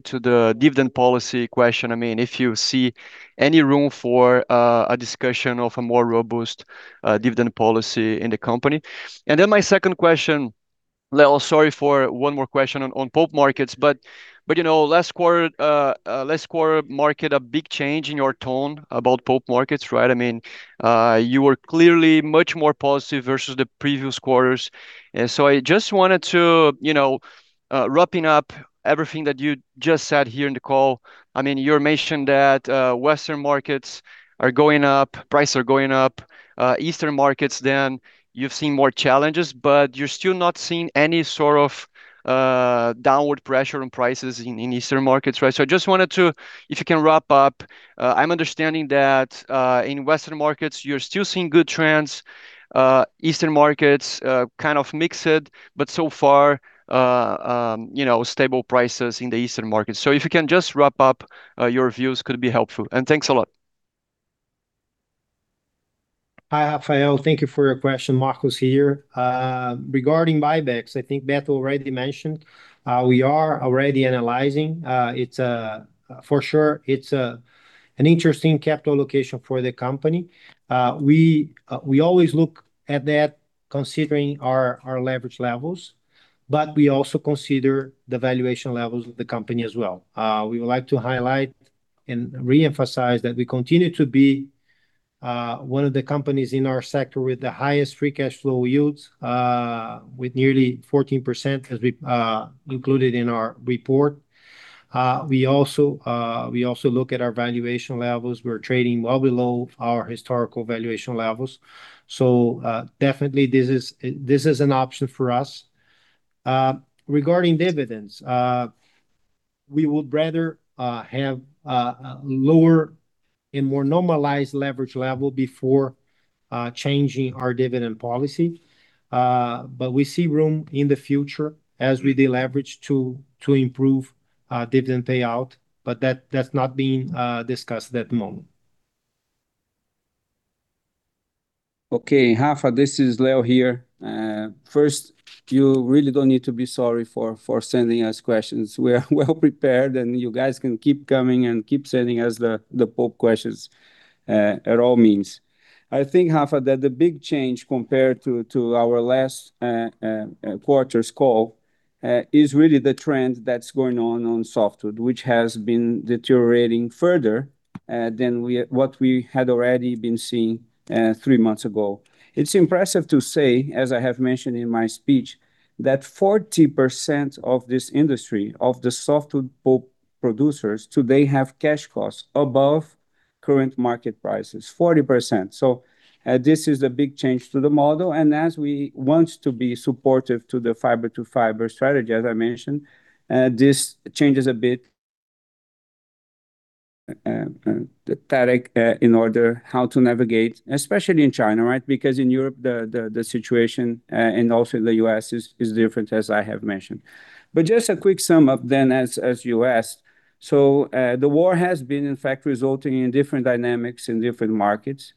Speaker 9: to the dividend policy question. I mean, if you see any room for a discussion of a more robust dividend policy in the company. My second question. Leo, sorry for one more question on pulp markets, you know, last quarter market a big change in your tone about pulp markets, right? I mean, you were clearly much more positive versus the previous quarters. I just wanted to, you know, wrapping up everything that you just said here in the call. I mean, you mentioned that Western markets are going up, prices are going up. Eastern markets, then you've seen more challenges, but you're still not seeing any sort of downward pressure on prices in Eastern markets, right? I just wanted to, if you can wrap up, I'm understanding that in Western markets, you're still seeing good trends. Eastern markets, kind of mixed, but so far, you know, stable prices in the Eastern markets. If you can just wrap up, your views could be helpful. Thanks a lot.
Speaker 5: Hi, Rafael. Thank you for your question. Marcos here. Regarding buybacks, I think Alberto already mentioned, we are already analyzing. It's, for sure it's, an interesting capital allocation for the company. We always look at that considering our leverage levels, but we also consider the valuation levels of the company as well. We would like to highlight and reemphasize that we continue to be one of the companies in our sector with the highest free cash flow yields, with nearly 14% as we included in our report. We also look at our valuation levels. We're trading well below our historical valuation levels. Definitely this is an option for us. Regarding dividends, we would rather have a lower and more normalized leverage level before changing our dividend policy. We see room in the future as we deleverage to improve dividend payout, but that's not being discussed at the moment.
Speaker 3: Okay. Rafa, this is Leo here. First, you really don't need to be sorry for sending us questions. We are well prepared, you guys can keep coming and keep sending us the pulp questions at all means. I think, Rafa, that the big change compared to our last quarter's call is really the trend that's going on on softwood, which has been deteriorating further than what we had already been seeing three months ago. It's impressive to say, as I have mentioned in my speech, that 40% of this industry, of the softwood pulp producers today have cash costs above current market prices, 40%. This is a big change to the model, and as we want to be supportive to the fiber-to-fiber strategy, as I mentioned, this changes a bit, the tactic, in order how to navigate, especially in China, right? Because in Europe the situation, and also the U.S. is different, as I have mentioned. Just a quick sum up then as you asked. The war has been in fact resulting in different dynamics in different markets.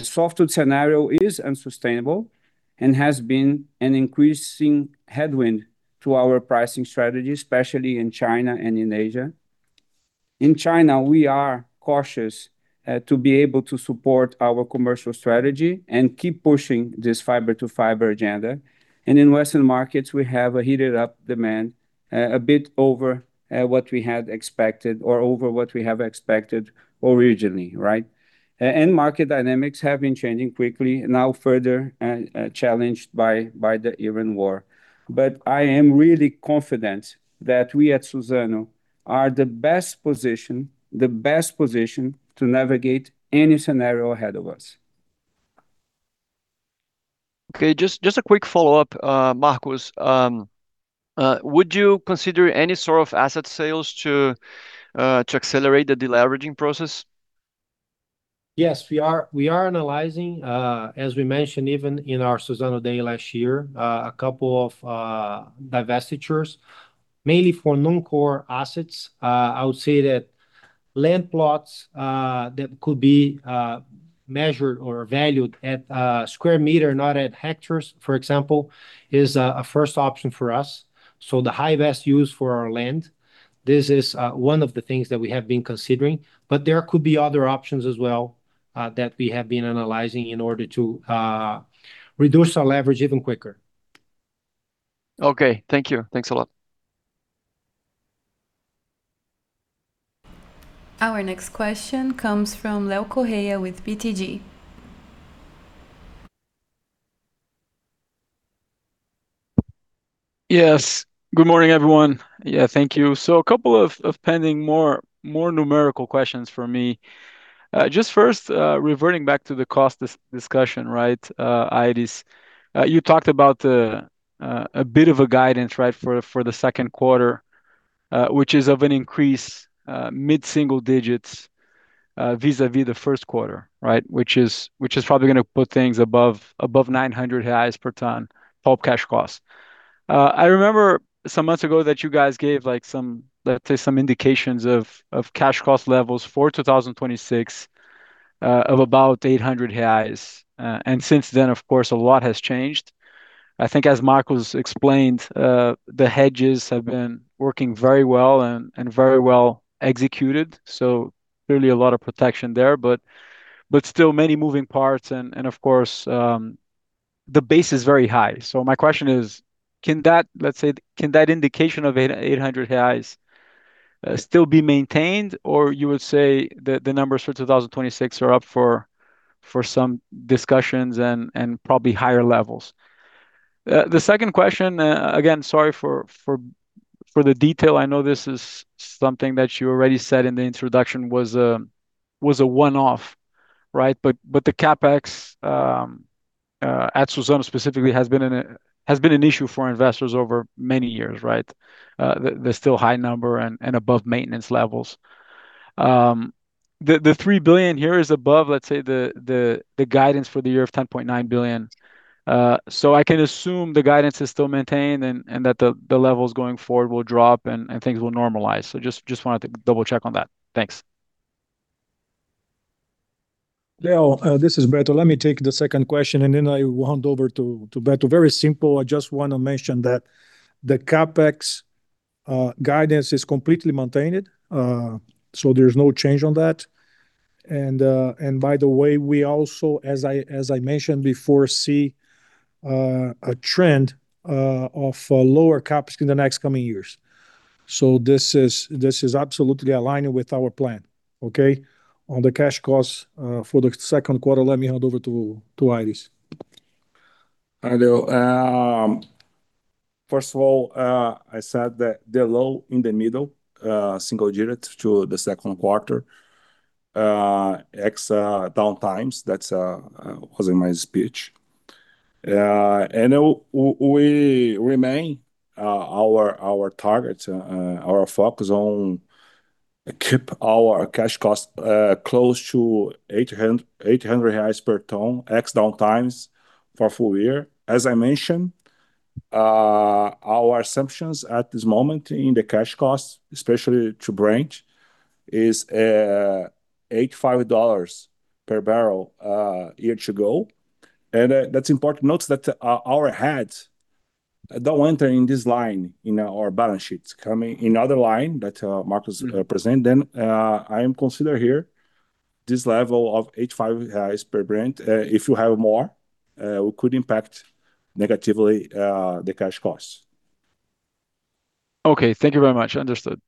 Speaker 3: Softwood scenario is unsustainable and has been an increasing headwind to our pricing strategy, especially in China and in Asia. In China, we are cautious to be able to support our commercial strategy and keep pushing this fiber-to-fiber agenda. In Western markets we have a heated up demand, a bit over what we had expected or over what we have expected originally. Market dynamics have been changing quickly now further challenged by the Iran war. I am really confident that we at Suzano are the best position to navigate any scenario ahead of us.
Speaker 9: Okay. Just a quick follow-up, Marcos. Would you consider any sort of asset sales to accelerate the deleveraging process?
Speaker 5: Yes. We are analyzing, as we mentioned even in our Suzano Day last year, a couple of divestitures, mainly for non-core assets. I would say that land plots that could be measured or valued at square meter, not at hectares, for example, is a first option for us. The high best use for our land. This is one of the things that we have been considering, but there could be other options as well that we have been analyzing in order to reduce our leverage even quicker.
Speaker 9: Okay. Thank you. Thanks a lot.
Speaker 6: Our next question comes from Leo Correa with BTG.
Speaker 10: Good morning, everyone. Thank you. A couple of pending numerical questions for me. Just first, reverting back to the cost discussion, right, Aires. You talked about a bit of a guidance, right, for the second quarter, which is of an increase, mid-single digits, vis-à-vis the first quarter, right? Which is probably gonna put things above 900 reais per ton pulp cash cost. I remember some months ago that you guys gave some indications of cash cost levels for 2026 of about 800 reais. Since then, of course, a lot has changed. I think as Marcos explained, the hedges have been working very well and very well executed, clearly a lot of protection there. Still many moving parts and of course, the base is very high. My question is: Can that indication of 800 reais still be maintained, or you would say the numbers for 2026 are up for some discussions and probably higher levels? The second question, again, sorry for the detail. I know this is something that you already said in the introduction was a one-off, right? The CapEx at Suzano specifically has been an issue for investors over many years, right? They're still high number and above maintenance levels. The 3 billion here is above the guidance for the year of 10.9 billion. I can assume the guidance is still maintained and that the levels going forward will drop and things will normalize. I just wanted to double check on that. Thanks.
Speaker 1: Leo, this is Alberto. Let me take the second question, and then I will hand over to Galhardo. Very simple. I just wanna mention that the CapEx guidance is completely maintained. There's no change on that. By the way, we also, as I mentioned before, see a trend of lower CapEx in the next coming years. This is absolutely aligned with our plan. Okay. On the cash costs for the second quarter, let me hand over to Aires.
Speaker 4: Hi, Leo. First of all, I said that they're low in the middle, single digit to the 2nd quarter, ex downtimes. That's was in my speech. We remain our targets, our focus on keep our cash costs close to 800 reais per ton ex downtimes for full year. As I mentioned, our assumptions at this moment in the cash costs, especially to Brent, is $85 per barrel year to go. That's important to note that our hedges don't enter in this line in our balance sheets. Coming in other line that Marcos present. I am consider here this level of 805 reais per Brent. If you have more, it could impact negatively the cash costs.
Speaker 10: Okay. Thank you very much. Understood.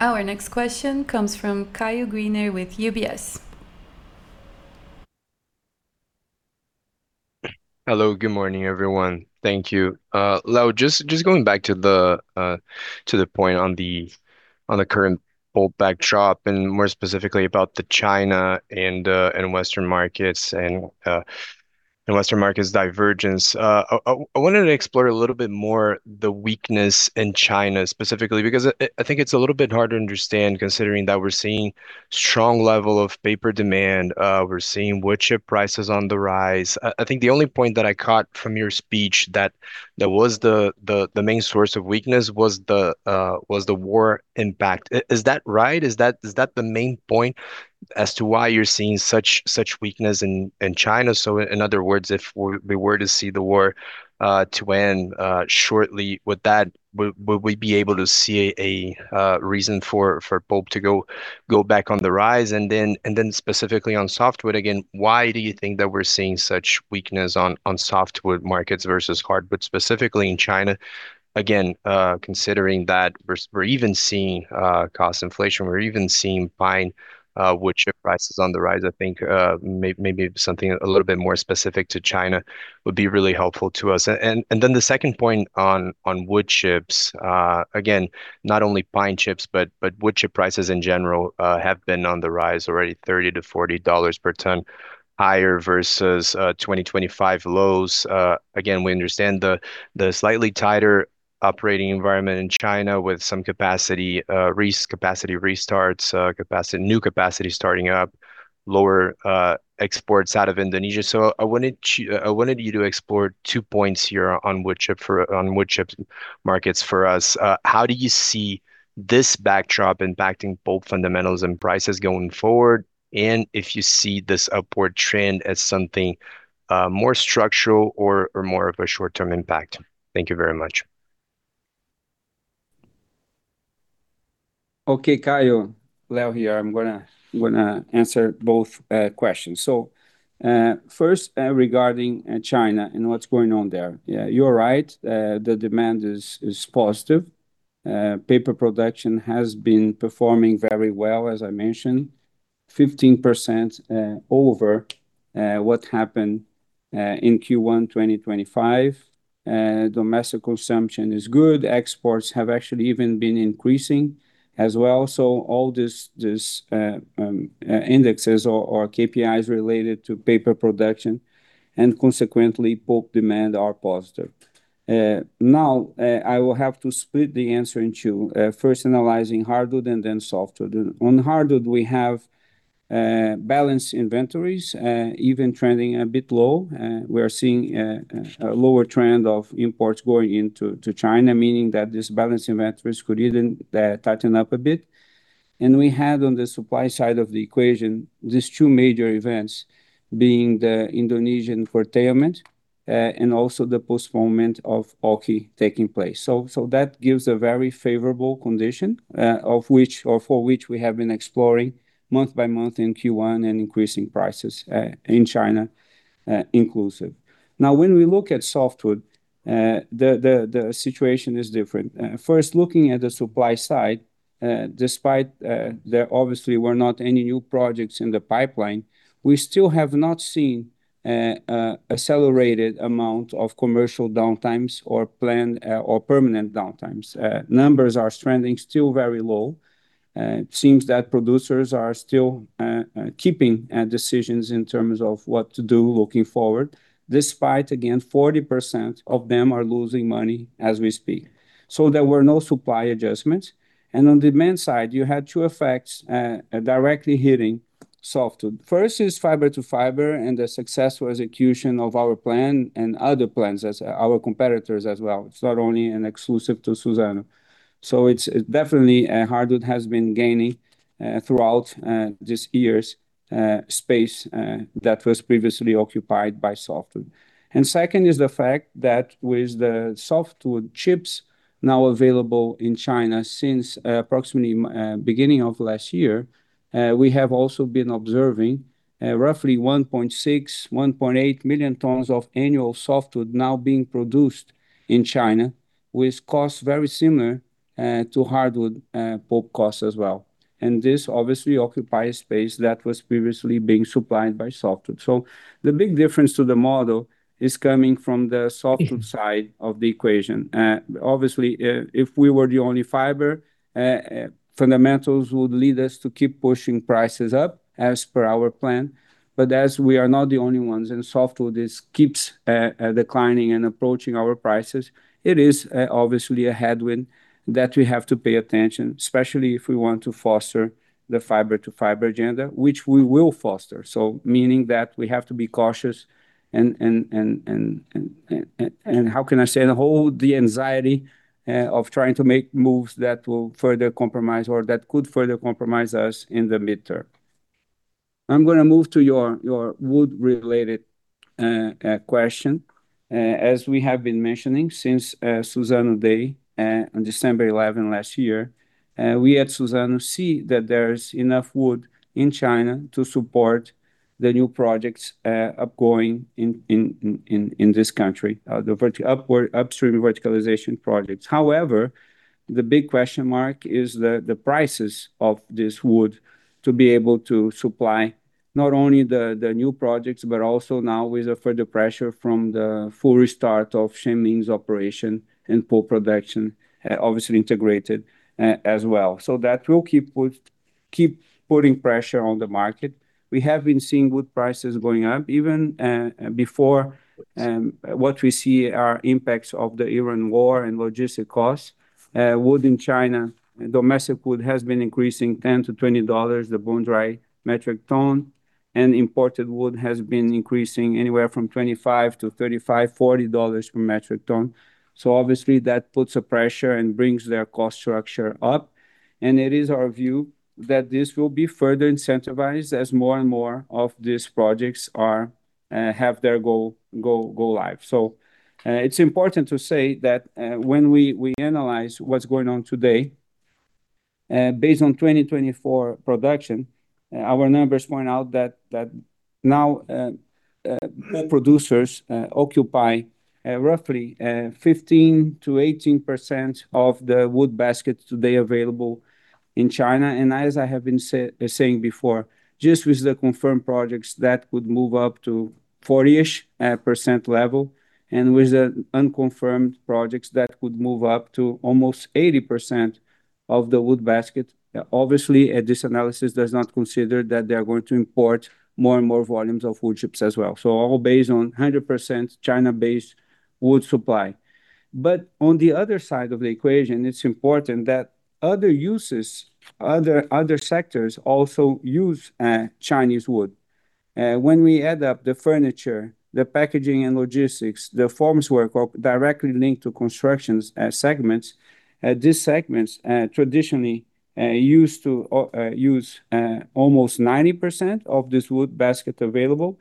Speaker 6: Our next question comes from Caio Greiner with UBS.
Speaker 11: Hello. Good morning, everyone. Thank you. Leo, just going back to the point on the current pulp backdrop, and more specifically about the China and Western markets divergence. I wanted to explore a little bit more the weakness in China specifically, because I think it's a little bit hard to understand considering that we're seeing strong level of paper demand. We're seeing wood chip prices on the rise. I think the only point that I caught from your speech that there was the main source of weakness was the war impact. Is that right? Is that the main point as to why you're seeing such weakness in China? In other words, if we were to see the war to end shortly, would we be able to see a reason for pulp to go back on the rise? Then specifically on softwood, again, why do you think that we're seeing such weakness on softwood markets versus hardwood, specifically in China? Considering that we're even seeing cost inflation, we're even seeing pine wood chip prices on the rise. I think maybe something a little bit more specific to China would be really helpful to us. Then the second point on wood chips, again, not only pine chips, but wood chip prices in general have been on the rise already $30-$40 per ton higher versus 2025 lows. Again, we understand the slightly tighter operating environment in China with some capacity restarts, new capacity starting up, lower exports out of Indonesia. I wanted you to explore two points here on wood chips markets for us. How do you see this backdrop impacting both fundamentals and prices going forward? If you see this upward trend as something more structural or more of a short-term impact. Thank you very much.
Speaker 3: Okay. Caio. Leo here. I'm gonna answer both questions. First, regarding China and what's going on there. Yeah, you're right. The demand is positive. Paper production has been performing very well, as I mentioned, 15% over what happened in Q1 2025. Domestic consumption is good. Exports have actually even been increasing as well. All these indexes or KPIs related to paper production and consequently pulp demand are positive. Now, I will have to split the answer in two, first analyzing hardwood and then softwood. On hardwood we have balanced inventories, even trending a bit low. We are seeing a lower trend of imports going into China, meaning that this balanced inventories could even tighten up a bit. We had on the supply side of the equation, these two major events being the Indonesian curtailment, and also the postponement of OKI taking place. That gives a very favorable condition, of which or for which we have been exploring month by month in Q1 and increasing prices in China, inclusive. When we look at softwood, the situation is different. First looking at the supply side, despite there obviously were not any new projects in the pipeline, we still have not seen accelerated amount of commercial downtimes or planned or permanent downtimes. Numbers are trending still very low. It seems that producers are still keeping decisions in terms of what to do looking forward, despite, again, 40% of them are losing money as we speak. There were no supply adjustments. On demand side, you had two effects directly hitting softwood. First is fiber to fiber and the successful execution of our plan and other plans as our competitors as well. It's not only an exclusive to Suzano. It's, it's definitely, hardwood has been gaining throughout this year's space that was previously occupied by softwood. Second is the fact that with the softwood chips now available in China since approximately beginning of last year, we have also been observing roughly 1.6, 1.8 million tons of annual softwood now being produced in China, with costs very similar to hardwood pulp costs as well. This obviously occupies space that was previously being supplied by softwood. The big difference to the model is coming from the softwood side of the equation. Obviously, if we were the only fiber, fundamentals would lead us to keep pushing prices up as per our plan. As we are not the only ones, and softwood keeps declining and approaching our prices, it is obviously a headwind that we have to pay attention, especially if we want to foster the fiber to fiber agenda, which we will foster. Meaning that we have to be cautious and how can I say? And hold the anxiety of trying to make moves that will further compromise or that could further compromise us in the midterm. I'm gonna move to your wood related question. As we have been mentioning since Suzano Day, on December 11 last year, we at Suzano see that there's enough wood in China to support the new projects upgoing in this country. The upstream verticalization projects. However, the big question mark is the prices of this wood to be able to supply not only the new projects, but also now with a further pressure from the full restart of Chenming's operation and pulp production, obviously integrated, as well. That will keep putting pressure on the market. We have been seeing wood prices going up even before what we see are impacts of the Iran war and logistic costs. Wood in China, domestic wood has been increasing $10-$20 the bone-dry metric ton, and imported wood has been increasing anywhere from $25-$35, $40 per metric ton. Obviously that puts a pressure and brings their cost structure up, and it is our view that this will be further incentivized as more and more of these projects are, have their go live. It's important to say that when we analyze what's going on today, based on 2024 production, our numbers point out that now producers occupy roughly 15%-18% of the wood basket today available in China. As I have been saying before, just with the confirmed projects, that would move up to 40-ish % level and with the unconfirmed projects that would move up to almost 80% of the wood basket. Obviously, this analysis does not consider that they are going to import more and more volumes of wood chips as well. All based on 100% China-based wood supply. On the other side of the equation, it's important that other uses, other sectors also use Chinese wood. When we add up the furniture, the packaging and logistics, the forms work or directly linked to constructions segments, these segments traditionally used to use almost 90% of this wood basket available.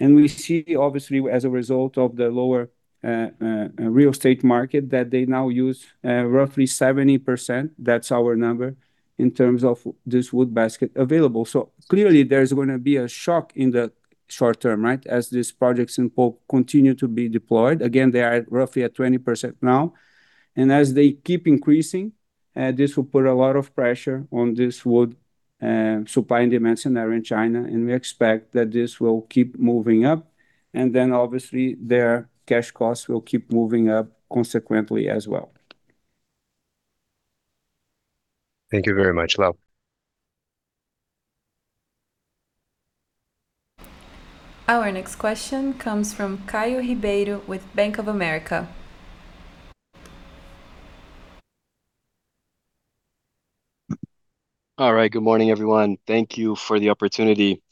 Speaker 3: We see obviously as a result of the lower real estate market that they now use roughly 70%, that's our number, in terms of this wood basket available. Clearly there's gonna be a shock in the short term, right? As these projects in pulp continue to be deployed. Again, they are at roughly at 20% now, and as they keep increasing, this will put a lot of pressure on this wood supply and dimensionary in China, and we expect that this will keep moving up, and then obviously their cash costs will keep moving up consequently as well.
Speaker 11: Thank you very much, Leo.
Speaker 6: Our next question comes from Caio Ribeiro with Bank of America.
Speaker 12: All right. Good morning, everyone. Thank you for the opportunity.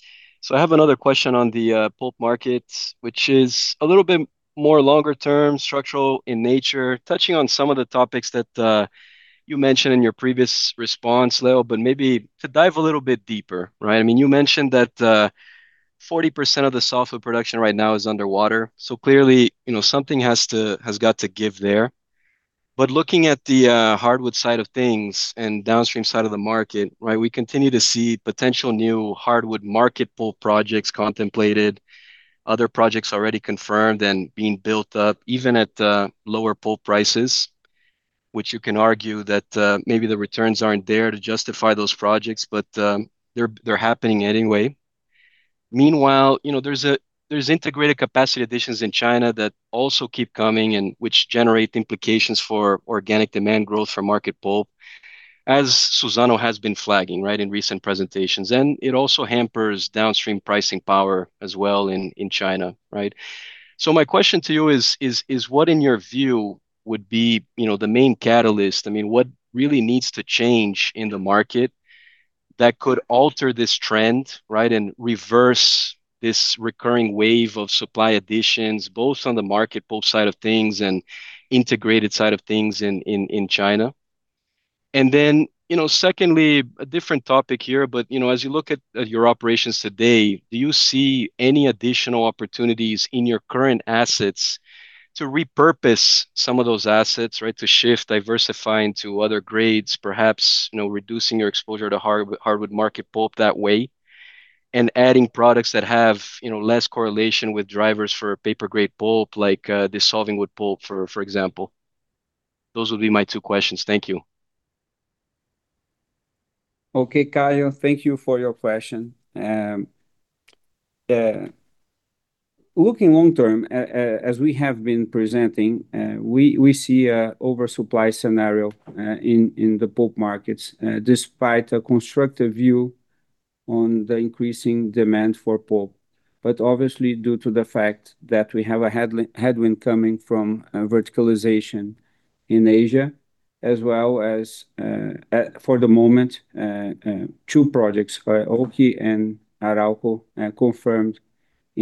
Speaker 12: I have another question on the pulp market, which is a little bit more longer-term structural in nature, touching on some of the topics that you mentioned in your previous response, Leo, maybe to dive a little bit deeper, right? I mean, you mentioned that 40% of the softwood production right now is underwater, clearly, you know, something has got to give there. Looking at the hardwood side of things and downstream side of the market, right, we continue to see potential new hardwood market pulp projects contemplated, other projects already confirmed and being built up even at lower pulp prices, which you can argue that maybe the returns aren't there to justify those projects, they're happening anyway. Meanwhile, you know, there's integrated capacity additions in China that also keep coming and which generate implications for organic demand growth for market pulp, as Suzano has been flagging, right, in recent presentations. It also hampers downstream pricing power as well in China, right? My question to you is what in your view would be, you know, the main catalyst? I mean, what really needs to change in the market that could alter this trend, right? Reverse this recurring wave of supply additions, both on the market pulp side of things and integrated side of things in China. Secondly, you know, a different topic here, as you look at your operations today, do you see any additional opportunities in your current assets to repurpose some of those assets, right? To shift diversifying to other grades, perhaps, you know, reducing your exposure to hardwood market pulp that way, and adding products that have, you know, less correlation with drivers for paper grade pulp like dissolving wood pulp, for example. Those would be my two questions. Thank you.
Speaker 3: Okay, Caio, thank you for your question. Looking long-term, as we have been presenting, we see a oversupply scenario in the pulp markets, despite a constructive view on the increasing demand for pulp. Obviously, due to the fact that we have a headwind coming from verticalization in Asia, as well as at for the moment, two projects by OKI and Arauco confirmed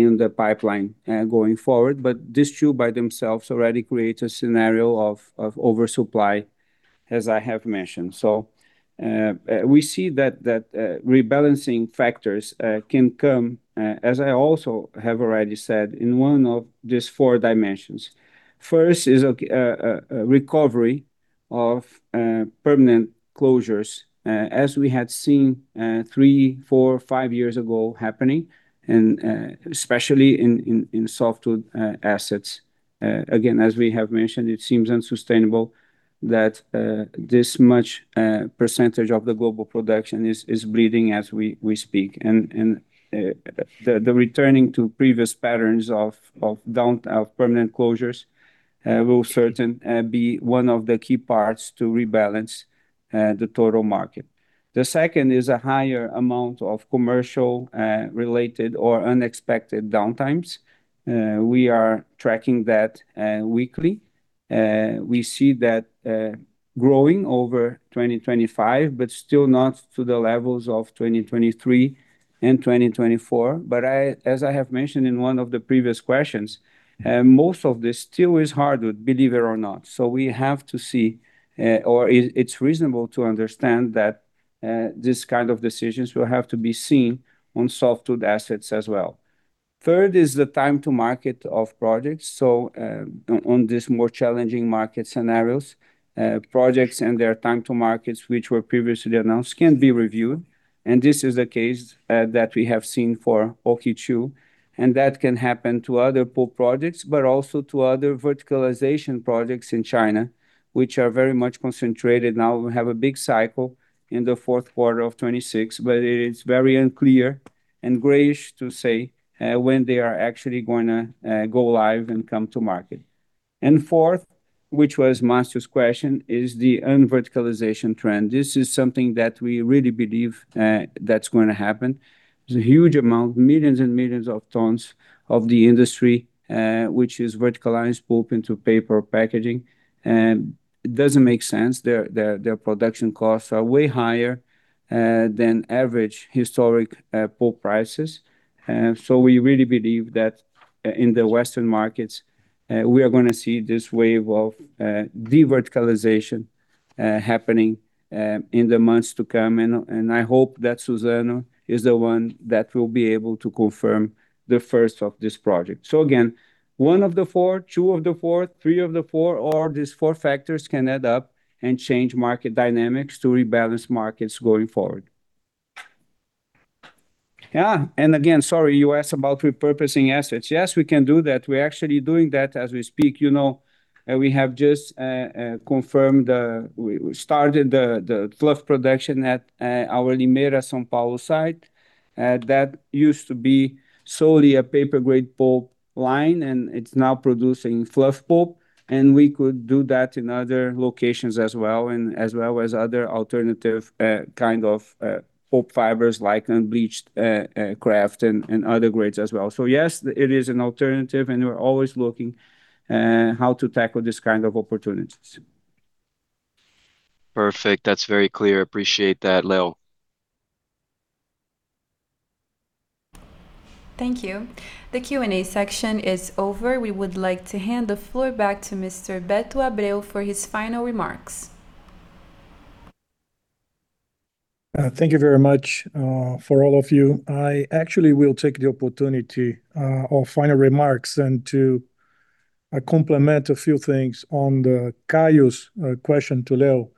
Speaker 3: in the pipeline going forward. These two by themselves already create a scenario of oversupply. As I have mentioned, we see that rebalancing factors can come, as I also have already said, in one of these four dimensions. First is a recovery of permanent closures, as we had seen three, four, five years ago happening and especially in softwood assets. Again, as we have mentioned, it seems unsustainable that this much percentage of the global production is bleeding as we speak. The returning to previous patterns of permanent closures will be one of the key parts to rebalance the total market. The second is a higher amount of commercial related or unexpected downtimes. We are tracking that weekly. We see that growing over 2025, but still not to the levels of 2023 and 2024. I, as I have mentioned in one of the previous questions, most of this still is hardwood, believe it or not. We have to see, or it's reasonable to understand that this kind of decisions will have to be seen on softwood assets as well. Third is the time to market of projects. On this more challenging market scenarios, projects and their time to markets which were previously announced can be reviewed, and this is a case that we have seen for OKI-2, and that can happen to other pulp projects, but also to other verticalization projects in China, which are very much concentrated now. We have a big cycle in the fourth quarter of 2026, but it is very unclear and grayish to say when they are actually going to go live and come to market. Fourth, which was Marcio's question, is the unverticalization trend. This is something that we really believe that's going to happen. There's a huge amount, millions and millions of tons of the industry, which is verticalized pulp into paper packaging. It doesn't make sense. Their production costs are way higher than average historic pulp prices. We really believe that in the Western markets, we are gonna see this wave of de-verticalization happening in the months to come. I hope that Suzano is the one that will be able to confirm the first of this project. Again, one of the four, two of the four, three of the four or these four factors can add up and change market dynamics to rebalance markets going forward. Again, sorry, you asked about repurposing assets. Yes, we can do that. We're actually doing that as we speak. You know, we have just confirmed, we started the fluff production at our Limeira, São Paulo site. That used to be solely a paper-grade pulp line, and it's now producing fluff pulp, and we could do that in other locations as well, as well as other alternative kind of pulp fibers like unbleached kraft and other grades as well. Yes, it is an alternative, and we're always looking how to tackle this kind of opportunities.
Speaker 12: Perfect. That's very clear. Appreciate that, Leo.
Speaker 6: Thank you. The Q&A section is over. We would like to hand the floor back to Mr. Alberto Abreu for his final remarks.
Speaker 1: Thank you very much for all of you. I actually will take the opportunity of final remarks and to complement a few things on Caio's question to Leo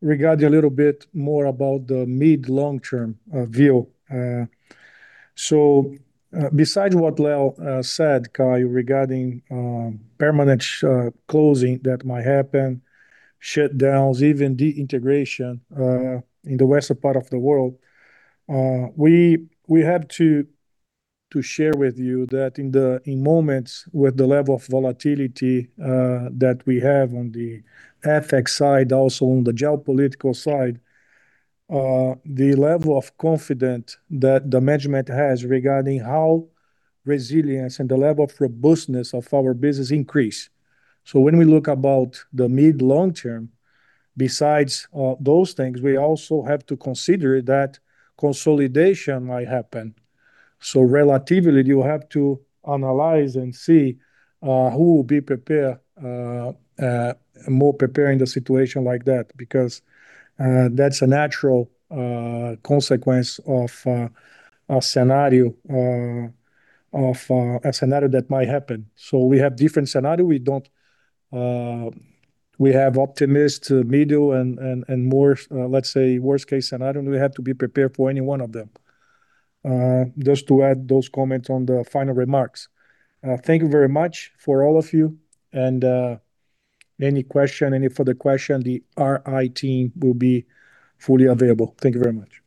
Speaker 1: regarding a little bit more about the mid, long-term view. Besides what Leo said, Caio, regarding permanent closing that might happen, shutdowns, even de-integration in the western part of the world, we have to share with you that in moments with the level of volatility that we have on the FX side, also on the geopolitical side, the level of confidence that the management has regarding how resilience and the level of robustness of our business increase. When we look about the mid, long term, besides those things, we also have to consider that consolidation might happen. Relatively you have to analyze and see who will be prepared, more prepared in the situation like that because that's a natural consequence of a scenario that might happen. We have different scenario. We have optimist, middle and more, let's say, worst case scenario, and we have to be prepared for any one of them. Just to add those comments on the final remarks. Thank you very much for all of you and any question, any further question, the RI team will be fully available. Thank you very much.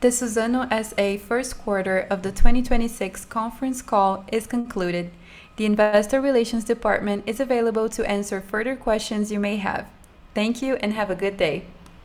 Speaker 6: The Suzano S.A. first quarter of the 2026 conference call is concluded. The Investor Relations Department is available to answer further questions you may have. Thank you and have a good day.